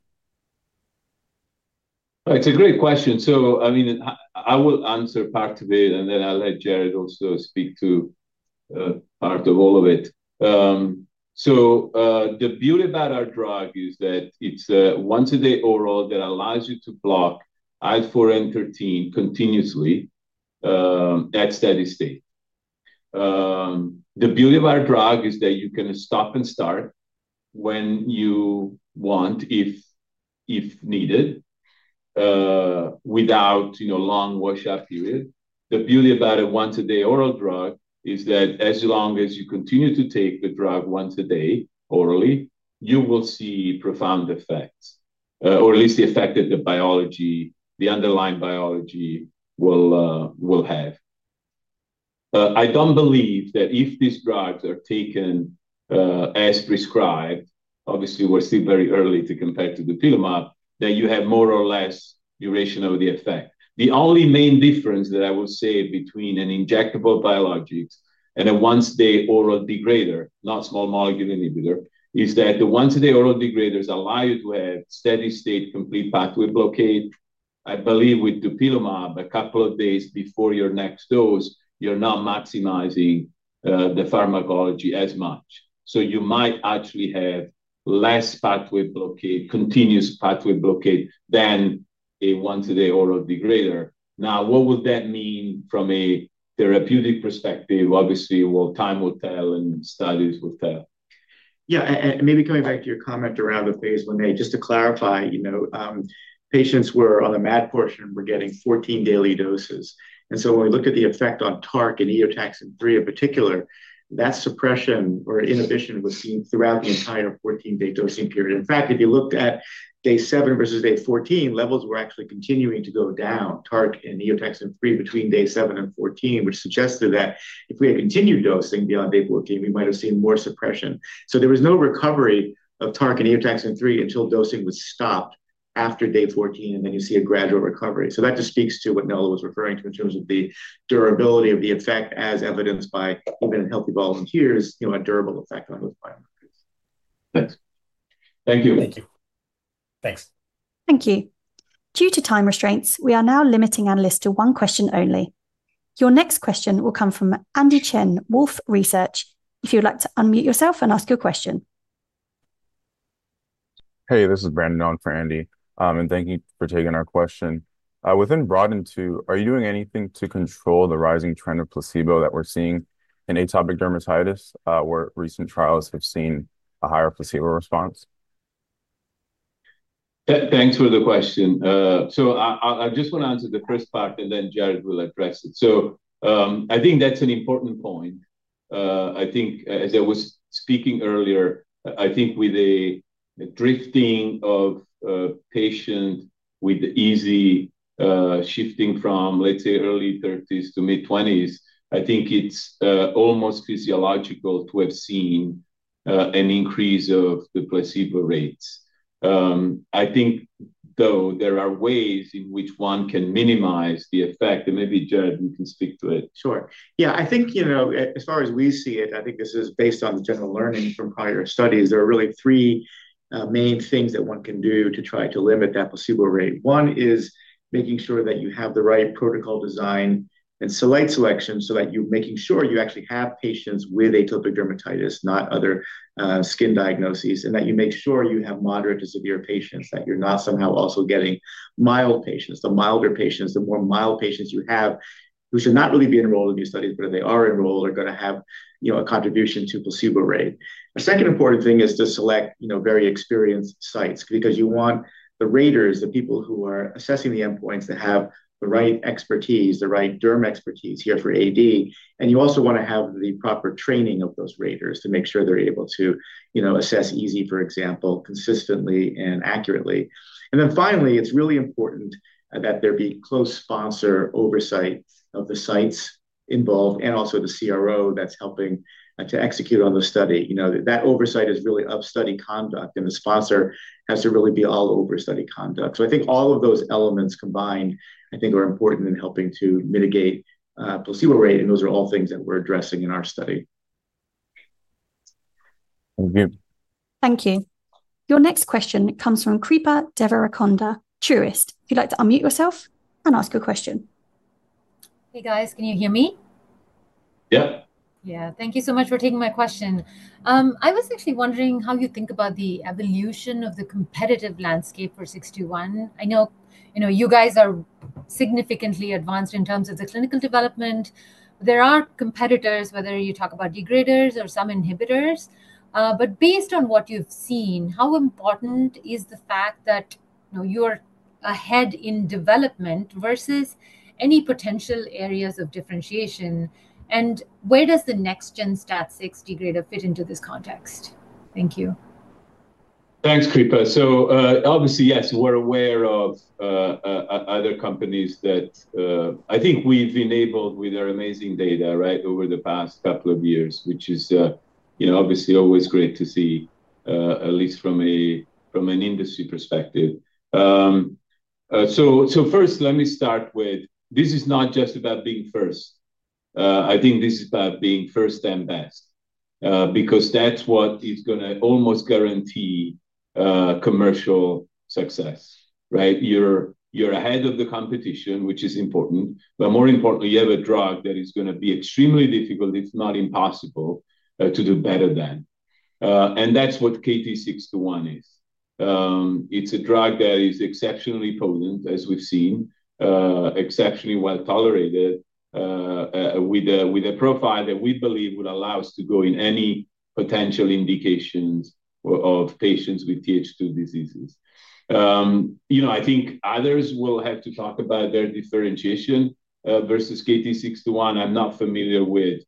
C: It's a great question. So, I mean, I will answer part of it, and then I'll let Jared also speak to part of all of it. So the beauty about our drug is that it's a once-a-day oral that allows you to block IL-4 and IL-13 continuously at steady state. The beauty of our drug is that you can stop and start when you want, if needed, without, you know, long washout period. The beauty about a once-a-day oral drug is that as long as you continue to take the drug once a day orally, you will see profound effects, or at least the effect that the biology, the underlying biology will have. I don't believe that if these drugs are taken as prescribed, obviously we're still very early to compare to Dupilumab, that you have more or less duration of the effect. The only main difference that I will say between an injectable biologics and a once-a-day oral degrader, not small molecule inhibitor, is that the once-a-day oral degraders allow you to have steady state complete pathway blockade. I believe with Dupilumab, a couple of days before your next dose, you're not maximizing the pharmacology as much. So you might actually have less pathway blockade, continuous pathway blockade than a once-a-day oral degrader. Now, what would that mean from a therapeutic perspective? Obviously, well, time will tell and studies will tell.
D: Yeah. And maybe coming back to your comment around the phase I-A, just to clarify, you know, patients were on a MAD portion and were getting 14 daily doses. And so when we look at the effect on TARC and Eotaxin 3 in particular, that suppression or inhibition was seen throughout the entire 14-day dosing period. In fact, if you looked at day 7 versus day 14, levels were actually continuing to go down, TARC and Eotaxin 3 between day 7 and 14, which suggested that if we had continued dosing beyond day 14, we might have seen more suppression. So there was no recovery of TARC and Eotaxin 3 until dosing was stopped after day 14, and then you see a gradual recovery. So that just speaks to what Nello was referring to in terms of the durability of the effect, as evidenced by even healthy volunteers, you know, a durable effect on those biomarkers.
K: Thanks. Thank you.
D: Thank you.
K: Thanks.
A: Thank you. Due to time restraints, we are now limiting our list to one question only. Your next question will come from Andy Chen, Wolfe Research. If you'd like to unmute yourself and ask your question. Hey, this is Brandy Ong for Andy. And thank you for taking our question. Within Broaden-2, are you doing anything to control the rising trend of placebo response that we're seeing in atopic dermatitis where recent trials have seen a higher placebo response?
C: Thanks for the question. So I just want to answer the first part, and then Jared will address it. So I think that's an important point. I think, as I was speaking earlier, I think with a drifting of patients with the EASI shifting from, let's say, early 30s to mid-20s, I think it's almost physiological to have seen an increase of the placebo rates. I think, though, there are ways in which one can minimize the effect. And maybe, Jared, you can speak to it.
D: Sure. Yeah. I think, you know, as far as we see it, I think this is based on the general learning from prior studies. There are really three main things that one can do to try to limit that placebo rate. One is making sure that you have the right protocol design and selection so that you're making sure you actually have patients with atopic dermatitis, not other skin diagnoses, and that you make sure you have moderate to severe patients, that you're not somehow also getting mild patients. The milder patients, the more mild patients you have, who should not really be enrolled in these studies, but if they are enrolled, are going to have, you know, a contribution to placebo rate. A second important thing is to select, you know, very experienced sites because you want the raters, the people who are assessing the endpoints, to have the right expertise, the right derm expertise here for AD. And you also want to have the proper training of those raters to make sure they're able to, you know, assess EASI, for example, consistently and accurately. And then finally, it's really important that there be close sponsor oversight of the sites involved and also the CRO that's helping to execute on the study. You know, that oversight is really of study conduct, and the sponsor has to really be all over study conduct. So I think all of those elements combined, I think, are important in helping to mitigate placebo rate, and those are all things that we're addressing in our study. Thank you.
A: Thank you. Your next question comes from Kripa Devarikonda, Truist. If you'd like to unmute yourself and ask your question.
L: Hey, guys, can you hear me?
C: Yeah.
L: Yeah. Thank you so much for taking my question. I was actually wondering how you think about the evolution of the competitive landscape for KT-621. I know, you know, you guys are significantly advanced in terms of the clinical development. There are competitors, whether you talk about degraders or some inhibitors. But based on what you've seen, how important is the fact that, you know, you're ahead in development versus any potential areas of differentiation? And where does the next-gen STAT6 degrader fit into this context? Thank you.
C: Thanks, Kripa. So obviously, yes, we're aware of other companies that I think we've enabled with our amazing data, right, over the past couple of years, which is, you know, obviously always great to see. At least from an industry perspective. So first, let me start with this is not just about being first. I think this is about being first and best. Because that's what is going to almost guarantee commercial success, right? You're ahead of the competition, which is important. But more importantly, you have a drug that is going to be extremely difficult, if not impossible, to do better than. And that's what KT-621 is. It's a drug that is exceptionally potent, as we've seen. Exceptionally well tolerated. With a profile that we believe would allow us to go in any potential indications of patients with TH2 diseases. You know, I think others will have to talk about their differentiation versus KT-621. I'm not familiar with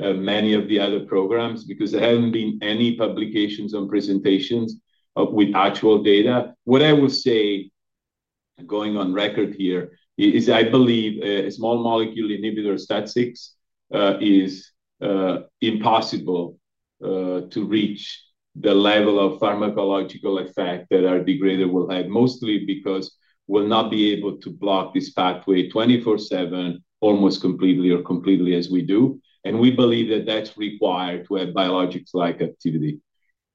C: many of the other programs because there haven't been any publications or presentations with actual data. What I will say, going on record here, is I believe a small molecule inhibitor of STAT6 is impossible to reach the level of pharmacological effect that our degrader will have, mostly because they'll not be able to block this pathway 24/7, almost completely or completely as we do. And we believe that that's required to have biologics-like activity.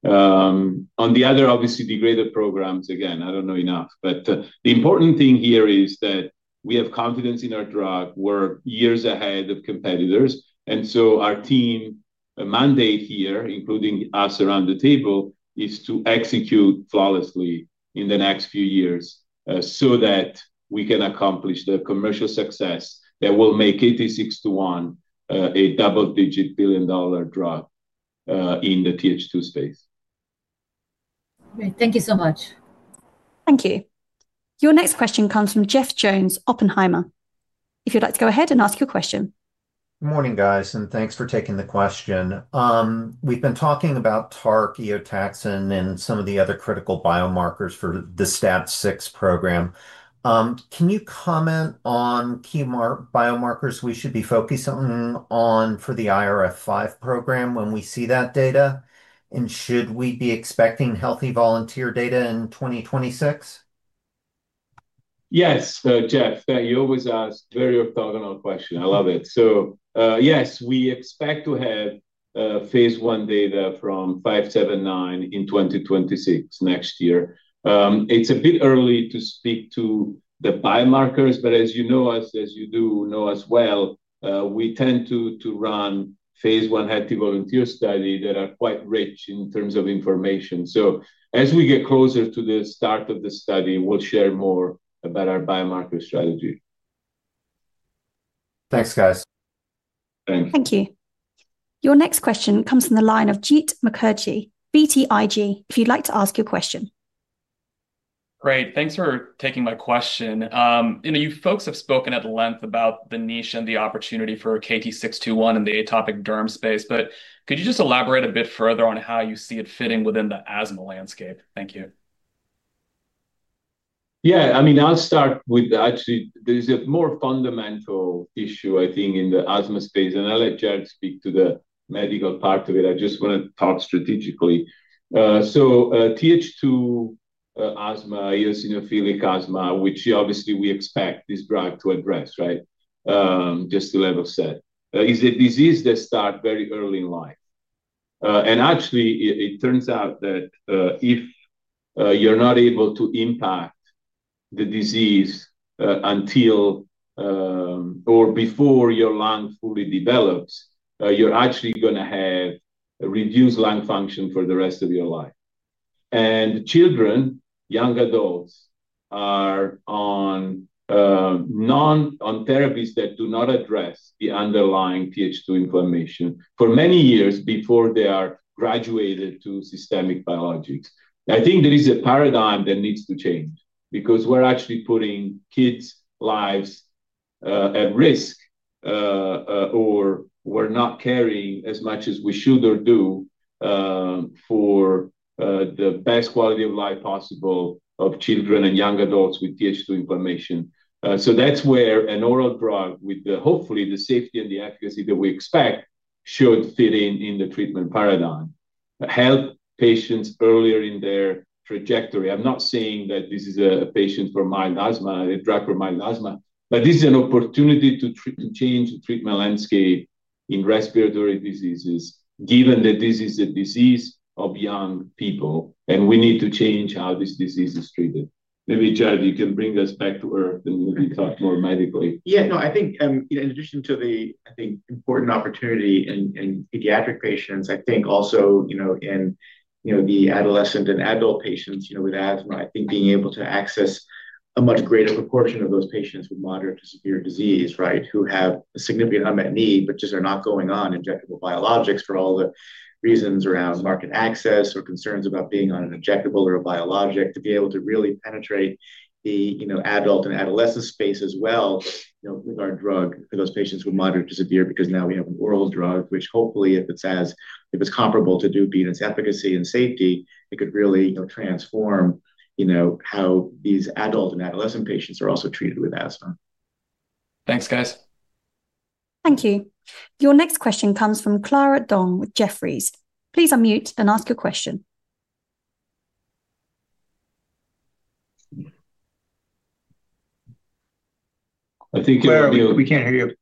C: On the other, obviously, degrader programs, again, I don't know enough. But the important thing here is that we have confidence in our drug. We're years ahead of competitors. And so our team's mandate here, including us around the table, is to execute flawlessly in the next few years so that we can accomplish the commercial success that will make KT-621 a double-digit billion-dollar drug in the TH2 space.
L: Great. Thank you so much.
A: Thank you. Your next question comes from Jeff Jones, Oppenheimer. If you'd like to go ahead and ask your question.
M: Good morning, guys, and thanks for taking the question. We've been talking about TARC, Eotaxin, and some of the other critical biomarkers for the STAT6 program. Can you comment on key biomarkers we should be focusing on for the IRF5 program when we see that data? And should we be expecting healthy volunteer data in 2026?
C: Yes, Jeff, you always ask very orthogonal question. I love it. So yes, we expect to have phase I data from KT-579 in 2026 next year. It's a bit early to speak to the biomarkers, but as you know, as you do know as well, we tend to run phase 1 healthy volunteer studies that are quite rich in terms of information. So as we get closer to the start of the study, we'll share more about our biomarker strategy.
M: Thanks, guys.
C: Thank you.
A: Thank you. Your next question comes from the line of Jeet Mukherjee, BTIG ,if you'd like to ask your question.
N: Great. Thanks for taking my question. You know, you folks have spoken at length about the niche and the opportunity for KT-621 in the atopic derm space, but could you just elaborate a bit further on how you see it fitting within the asthma landscape? Thank you.
C: Yeah. I mean, I'll start with actually there's a more fundamental issue, I think, in the asthma space, and I'll let Jared speak to the medical part of it. I just want to talk strategically. So TH2 asthma, eosinophilic asthma, which obviously we expect this drug to address, right? Just to level set, is a disease that starts very early in life. And actually, it turns out that if you're not able to impact the disease until or before your lung fully develops, you're actually going to have reduced lung function for the rest of your life. And children, young adults, are on therapies that do not address the underlying TH2 inflammation for many years before they are graduated to systemic biologics. I think there is a paradigm that needs to change because we're actually putting kids' lives at risk or we're not caring as much as we should or do for the best quality of life possible of children and young adults with TH2 inflammation. So that's where an oral drug with hopefully the safety and the efficacy that we expect should fit in the treatment paradigm. Help patients earlier in their trajectory. I'm not saying that this is a patient for mild asthma, a drug for mild asthma, but this is an opportunity to change the treatment landscape in respiratory diseases, given that this is a disease of young people, and we need to change how this disease is treated. Maybe Jared, you can bring us back to Earth and maybe talk more medically.
D: Yeah. No, I think, you know, in addition to the, I think, important opportunity in pediatric patients, I think also, you know, in, you know, the adolescent and adult patients, you know, with asthma, I think being able to access a much greater proportion of those patients with moderate to severe disease, right, who have a significant unmet need, but just are not going on injectable biologics for all the reasons around market access or concerns about being on an injectable or a biologic to be able to really penetrate the, you know, adult and adolescent space as well, you know, with our drug for those patients with moderate to severe because now we have an oral drug, which hopefully, if it's as, if it's comparable to Dupilumab and its efficacy and safety, it could really, you know, transform, you know, how these adult and adolescent patients are also treated with asthma.
N: Thanks, guys.
A: Thank you. Your next question comes from Clara Dong with Jefferies. Please unmute and ask your question.
C: I think. We can't hear you.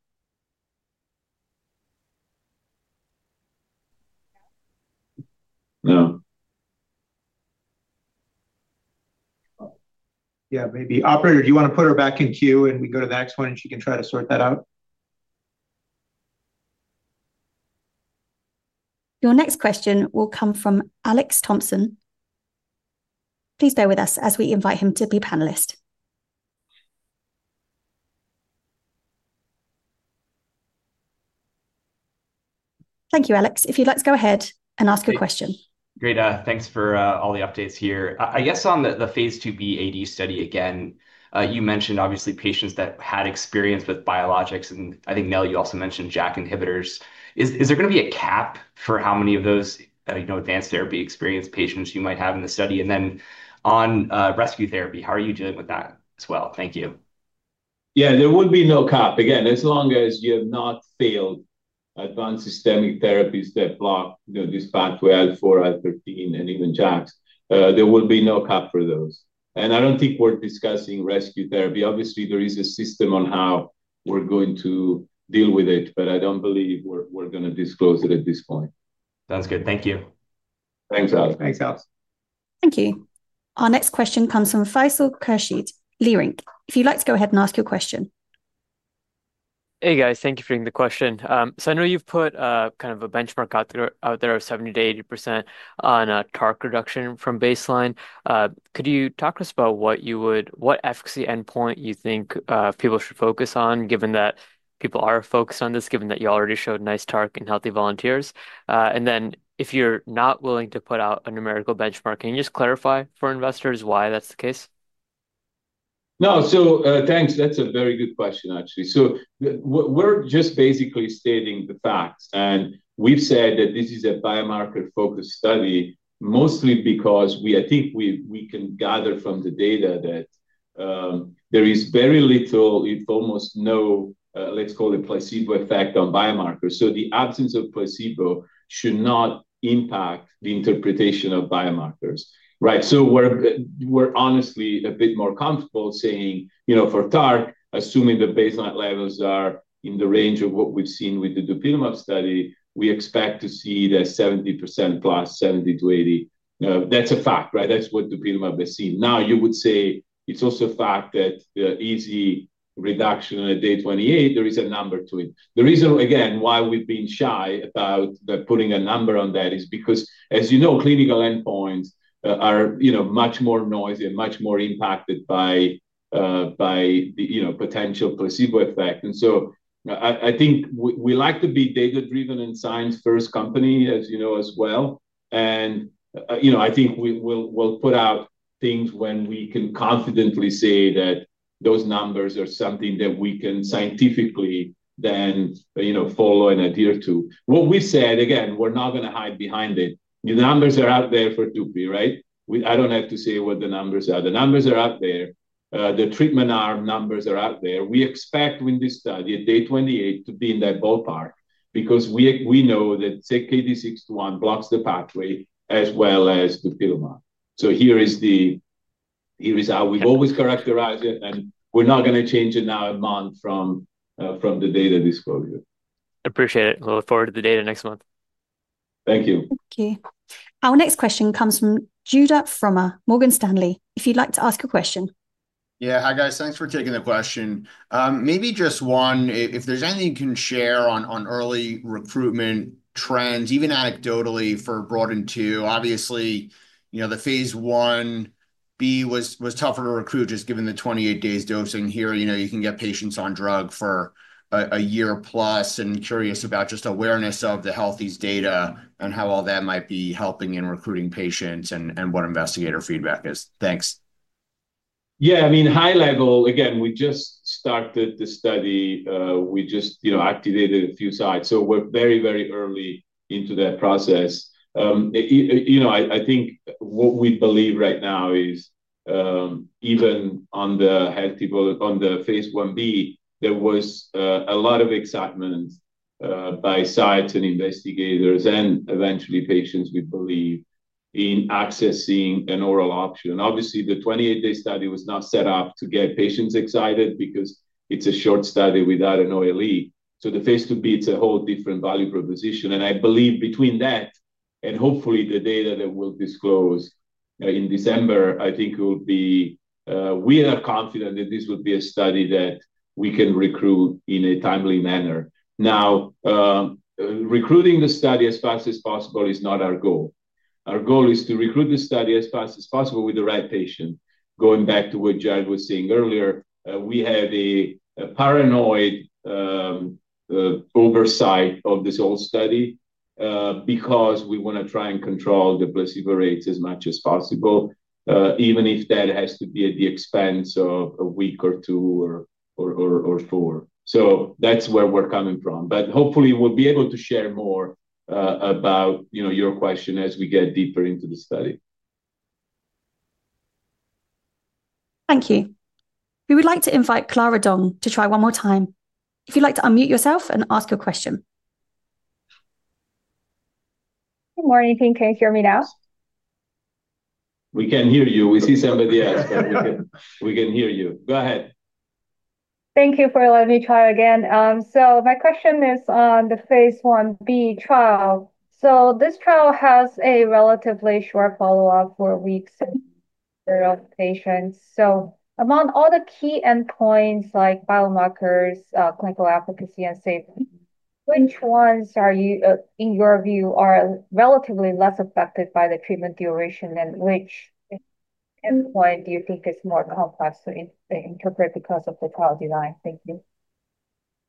O: No.
D: Yeah, maybe. Operator, do you want to put her back in queue and we go to the next one and she can try to sort that out?
A: Your next question will come from Alex Thompson. Please bear with us as we invite him to be panelist. Thank you, Alex. If you'd like to go ahead and ask your question. Great. Thanks for all the updates here. I guess on the phase II-B AD study again, you mentioned obviously patients that had experience with biologics, and I think, Nello, you also mentioned JAK inhibitors. Is there going to be a cap for how many of those, you know, advanced therapy experienced patients you might have in the study? And then on rescue therapy, how are you dealing with that as well? Thank you.
C: Yeah, there would be no cap. Again, as long as you have not failed advanced systemic therapies that block, you know, this pathway, IL-4, IL-13, and even JAKs, there will be no cap for those, and I don't think we're discussing rescue therapy. Obviously, there is a system on how we're going to deal with it, but I don't believe we're going to disclose it at this point. Sounds good. Thank you. Thanks, Alex.
I: Thanks, Alex.
A: Thank you. Our next question comes from Faisal Khurshid, Leerink. If you'd like to go ahead and ask your question.
P: Hey, guys. Thank you for taking the question. So I know you've put kind of a benchmark out there of 70%-80% on a TARC reduction from baseline. Could you talk to us about what you would, what efficacy endpoint you think people should focus on, given that people are focused on this, given that you already showed nice TARC and healthy volunteers? And then if you're not willing to put out a numerical benchmark, can you just clarify for investors why that's the case?
C: No, so thanks. That's a very good question, actually. So we're just basically stating the facts. And we've said that this is a biomarker-focused study, mostly because we, I think we can gather from the data that there is very little, if almost no, let's call it placebo effect on biomarkers. So the absence of placebo should not impact the interpretation of biomarkers, right? So we're honestly a bit more comfortable saying, you know, for TARC, assuming the baseline levels are in the range of what we've seen with the Dupilumab study, we expect to see the 70%+ 70-80%. That's a fact, right? That's what Dupilumab has seen. Now, you would say it's also a fact that EASI reduction on a day 28, there is a number to it. The reason, again, why we've been shy about putting a number on that is because, as you know, clinical endpoints are, you know, much more noisy and much more impacted by the, you know, potential placebo effect. And so I think we like to be data-driven and science-first company, as you know, as well. And, you know, I think we'll put out things when we can confidently say that those numbers are something that we can scientifically then, you know, follow and adhere to. What we said, again, we're not going to hide behind it. The numbers are out there for Dupilumab, right? I don't have to say what the numbers are. The numbers are out there. The treatment arm numbers are out there. We expect in this study, day 28, to be in that ballpark because we know that KT-621 blocks the pathway as well as Dupilumab. So here is the. Here is how we've always characterized it, and we're not going to change it now a month from the data disclosure.
P: Appreciate it. We'll look forward to the data next month.
C: Thank you.
A: Thank you. Our next question comes from Judah Frommer, Morgan Stanley. If you'd like to ask a question.
Q: Yeah. Hi, guys. Thanks for taking the question. Maybe just one, if there's anything you can share on early recruitment trends, even anecdotally for Broaden-2, obviously, you know, the phase I-B was tougher to recruit just given the 28-day dosing here. You know, you can get patients on drug for a year plus and curious about just awareness of the healthies data and how all that might be helping in recruiting patients and what investigator feedback is. Thanks.
C: Yeah. I mean, high level, again, we just started the study. We just, you know, activated a few sites. So we're very, very early into that process. You know, I think what we believe right now is. Even on the phase I-B, there was a lot of excitement. By sites and investigators and eventually patients, we believe, in accessing an oral option. Obviously, the 28-day study was not set up to get patients excited because it's a short study without an OLE. So the phase II-B, it's a whole different value proposition. And I believe between that and hopefully the data that we'll disclose in December, I think it will be. We are confident that this will be a study that we can recruit in a timely manner. Now. Recruiting the study as fast as possible is not our goal. Our goal is to recruit the study as fast as possible with the right patient. Going back to what Jared was saying earlier, we have a paranoid. Oversight of this whole study because we want to try and control the placebo rates as much as possible, even if that has to be at the expense of a week or two or. Four. So that's where we're coming from. But hopefully, we'll be able to share more about, you know, your question as we get deeper into the study.
A: Thank you. We would like to invite Clara Dong to try one more time. If you'd like to unmute yourself and ask your question.
O: Good morning. Can you hear me now?
C: We can hear you. We see somebody else, but we can hear you. Go ahead.
O: Thank you for letting me try again. So my question is on the phase I-B trial. So this trial has a relatively short follow-up of four weeks in patients. So among all the key endpoints like biomarkers, clinical efficacy, and safety, which ones are, in your view, relatively less affected by the treatment duration, and which endpoint do you think is more complex to interpret because of the trial design? Thank you.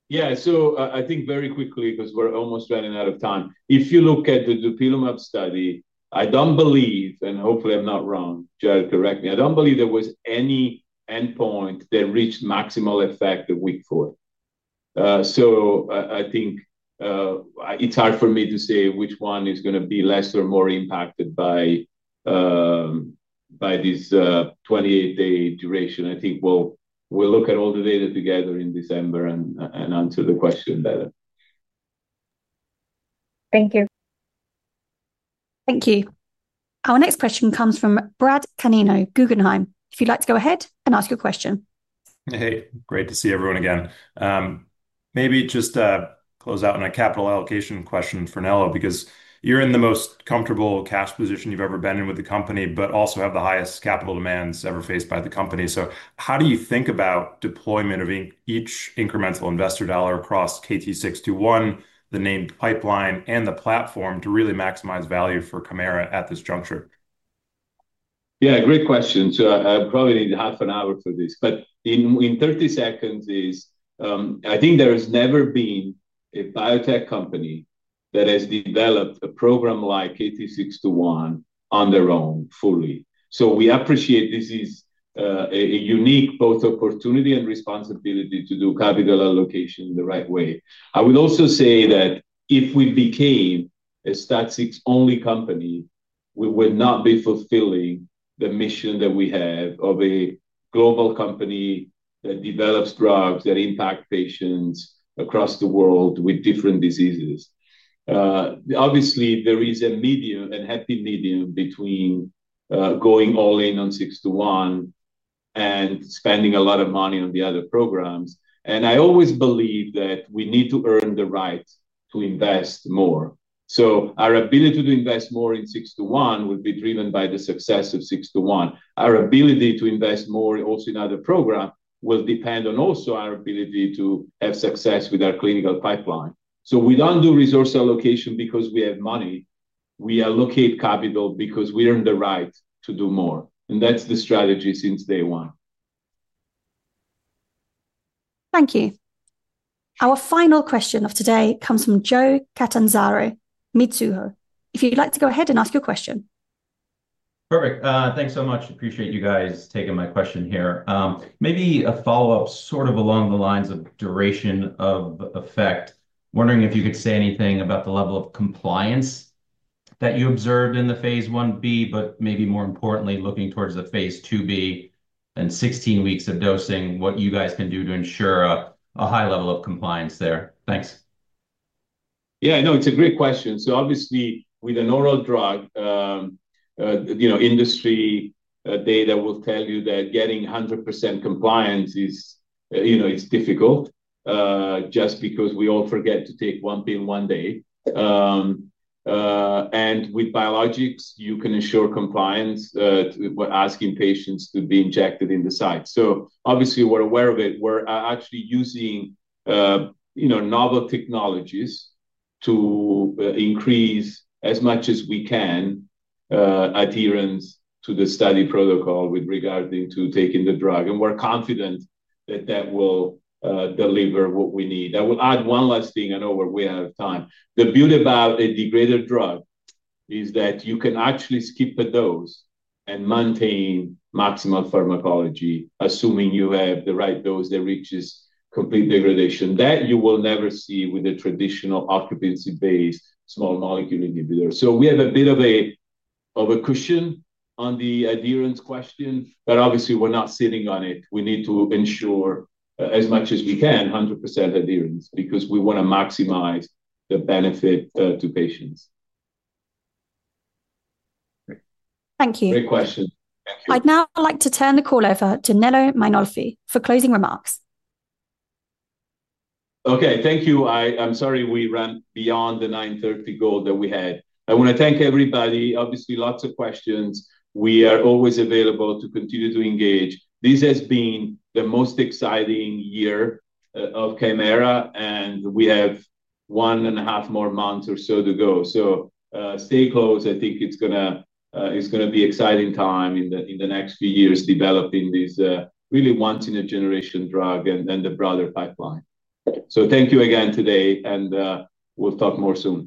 C: Yeah. So I think very quickly, because we're almost running out of time, if you look at the Dupilumab study, I don't believe, and hopefully I'm not wrong, Jared, correct me, I don't believe there was any endpoint that reached maximal effect at Week 4. So I think it's hard for me to say which one is going to be less or more impacted by this 28-day duration. I think we'll look at all the data together in December and answer the question better.
O: Thank you.
A: Thank you. Our next question comes from Brad Canino, Guggenheim. If you'd like to go ahead and ask your question.
R: Hey, great to see everyone again. Maybe just close out on a capital allocation question for Nello because you're in the most comfortable cash position you've ever been in with the company, but also have the highest capital demands ever faced by the company. So how do you think about deployment of each incremental investor dollar across KT-621, the named pipeline, and the platform to really maximize value for Kymera at this juncture?
C: Yeah, great question. So I probably need half an hour for this. But in 30 seconds is, I think there has never been a biotech company that has developed a program like KT-621 on their own fully. So we appreciate this is a unique both opportunity and responsibility to do capital allocation in the right way. I would also say that if we became a STAT6-only company, we would not be fulfilling the mission that we have of a global company that develops drugs that impact patients across the world with different diseases. Obviously, there is a medium and happy medium between going all in on 621 and spending a lot of money on the other programs. And I always believe that we need to earn the right to invest more. So our ability to invest more in 621 will be driven by the success of 621. Our ability to invest more also in other programs will depend on also our ability to have success with our clinical pipeline. So we don't do resource allocation because we have money. We allocate capital because we earn the right to do more. And that's the strategy since day one.
A: Thank you. Our final question of today comes from Joe Catanzaro, Mizuho. If you'd like to go ahead and ask your question.
S: Perfect. Thanks so much. Appreciate you guys taking my question here. Maybe a follow-up sort of along the lines of duration of effect, wondering if you could say anything about the level of compliance that you observed in the phase I-B, but maybe more importantly, looking towards the phase II-B and 16 weeks of dosing, what you guys can do to ensure a high level of compliance there? Thanks.
C: Yeah, no, it's a great question. So obviously, with an oral drug, you know, industry data will tell you that getting 100% compliance is, you know, it's difficult. Just because we all forget to take one pill one day. And with biologics, you can ensure compliance. Asking patients to be injected in the site. So obviously, we're aware of it. We're actually using, you know, novel technologies to increase as much as we can adherence to the study protocol with regard to taking the drug. And we're confident that that will deliver what we need. I will add one last thing. I know we have time. The beauty about a degraded drug is that you can actually skip a dose and maintain maximal pharmacology, assuming you have the right dose that reaches complete degradation that you will never see with a traditional occupancy-based small molecule inhibitor. So we have a bit of a cushion on the adherence question, but obviously, we're not sitting on it. We need to ensure as much as we can 100% adherence because we want to maximize the benefit to patients.
S: Thank you.
C: Great question. Thank you.
A: I'd now like to turn the call over to Nello Mainolfi for closing remarks.
C: Okay, thank you. I'm sorry we ran beyond the 9:30 A.M. goal that we had. I want to thank everybody. Obviously, lots of questions. We are always available to continue to engage. This has been the most exciting year of Kymera, and we have one and a half more months or so to go, so stay close. I think it's going to be an exciting time in the next few years developing this really once-in-a-generation drug and the broader pipeline, so thank you again today, and we'll talk more soon.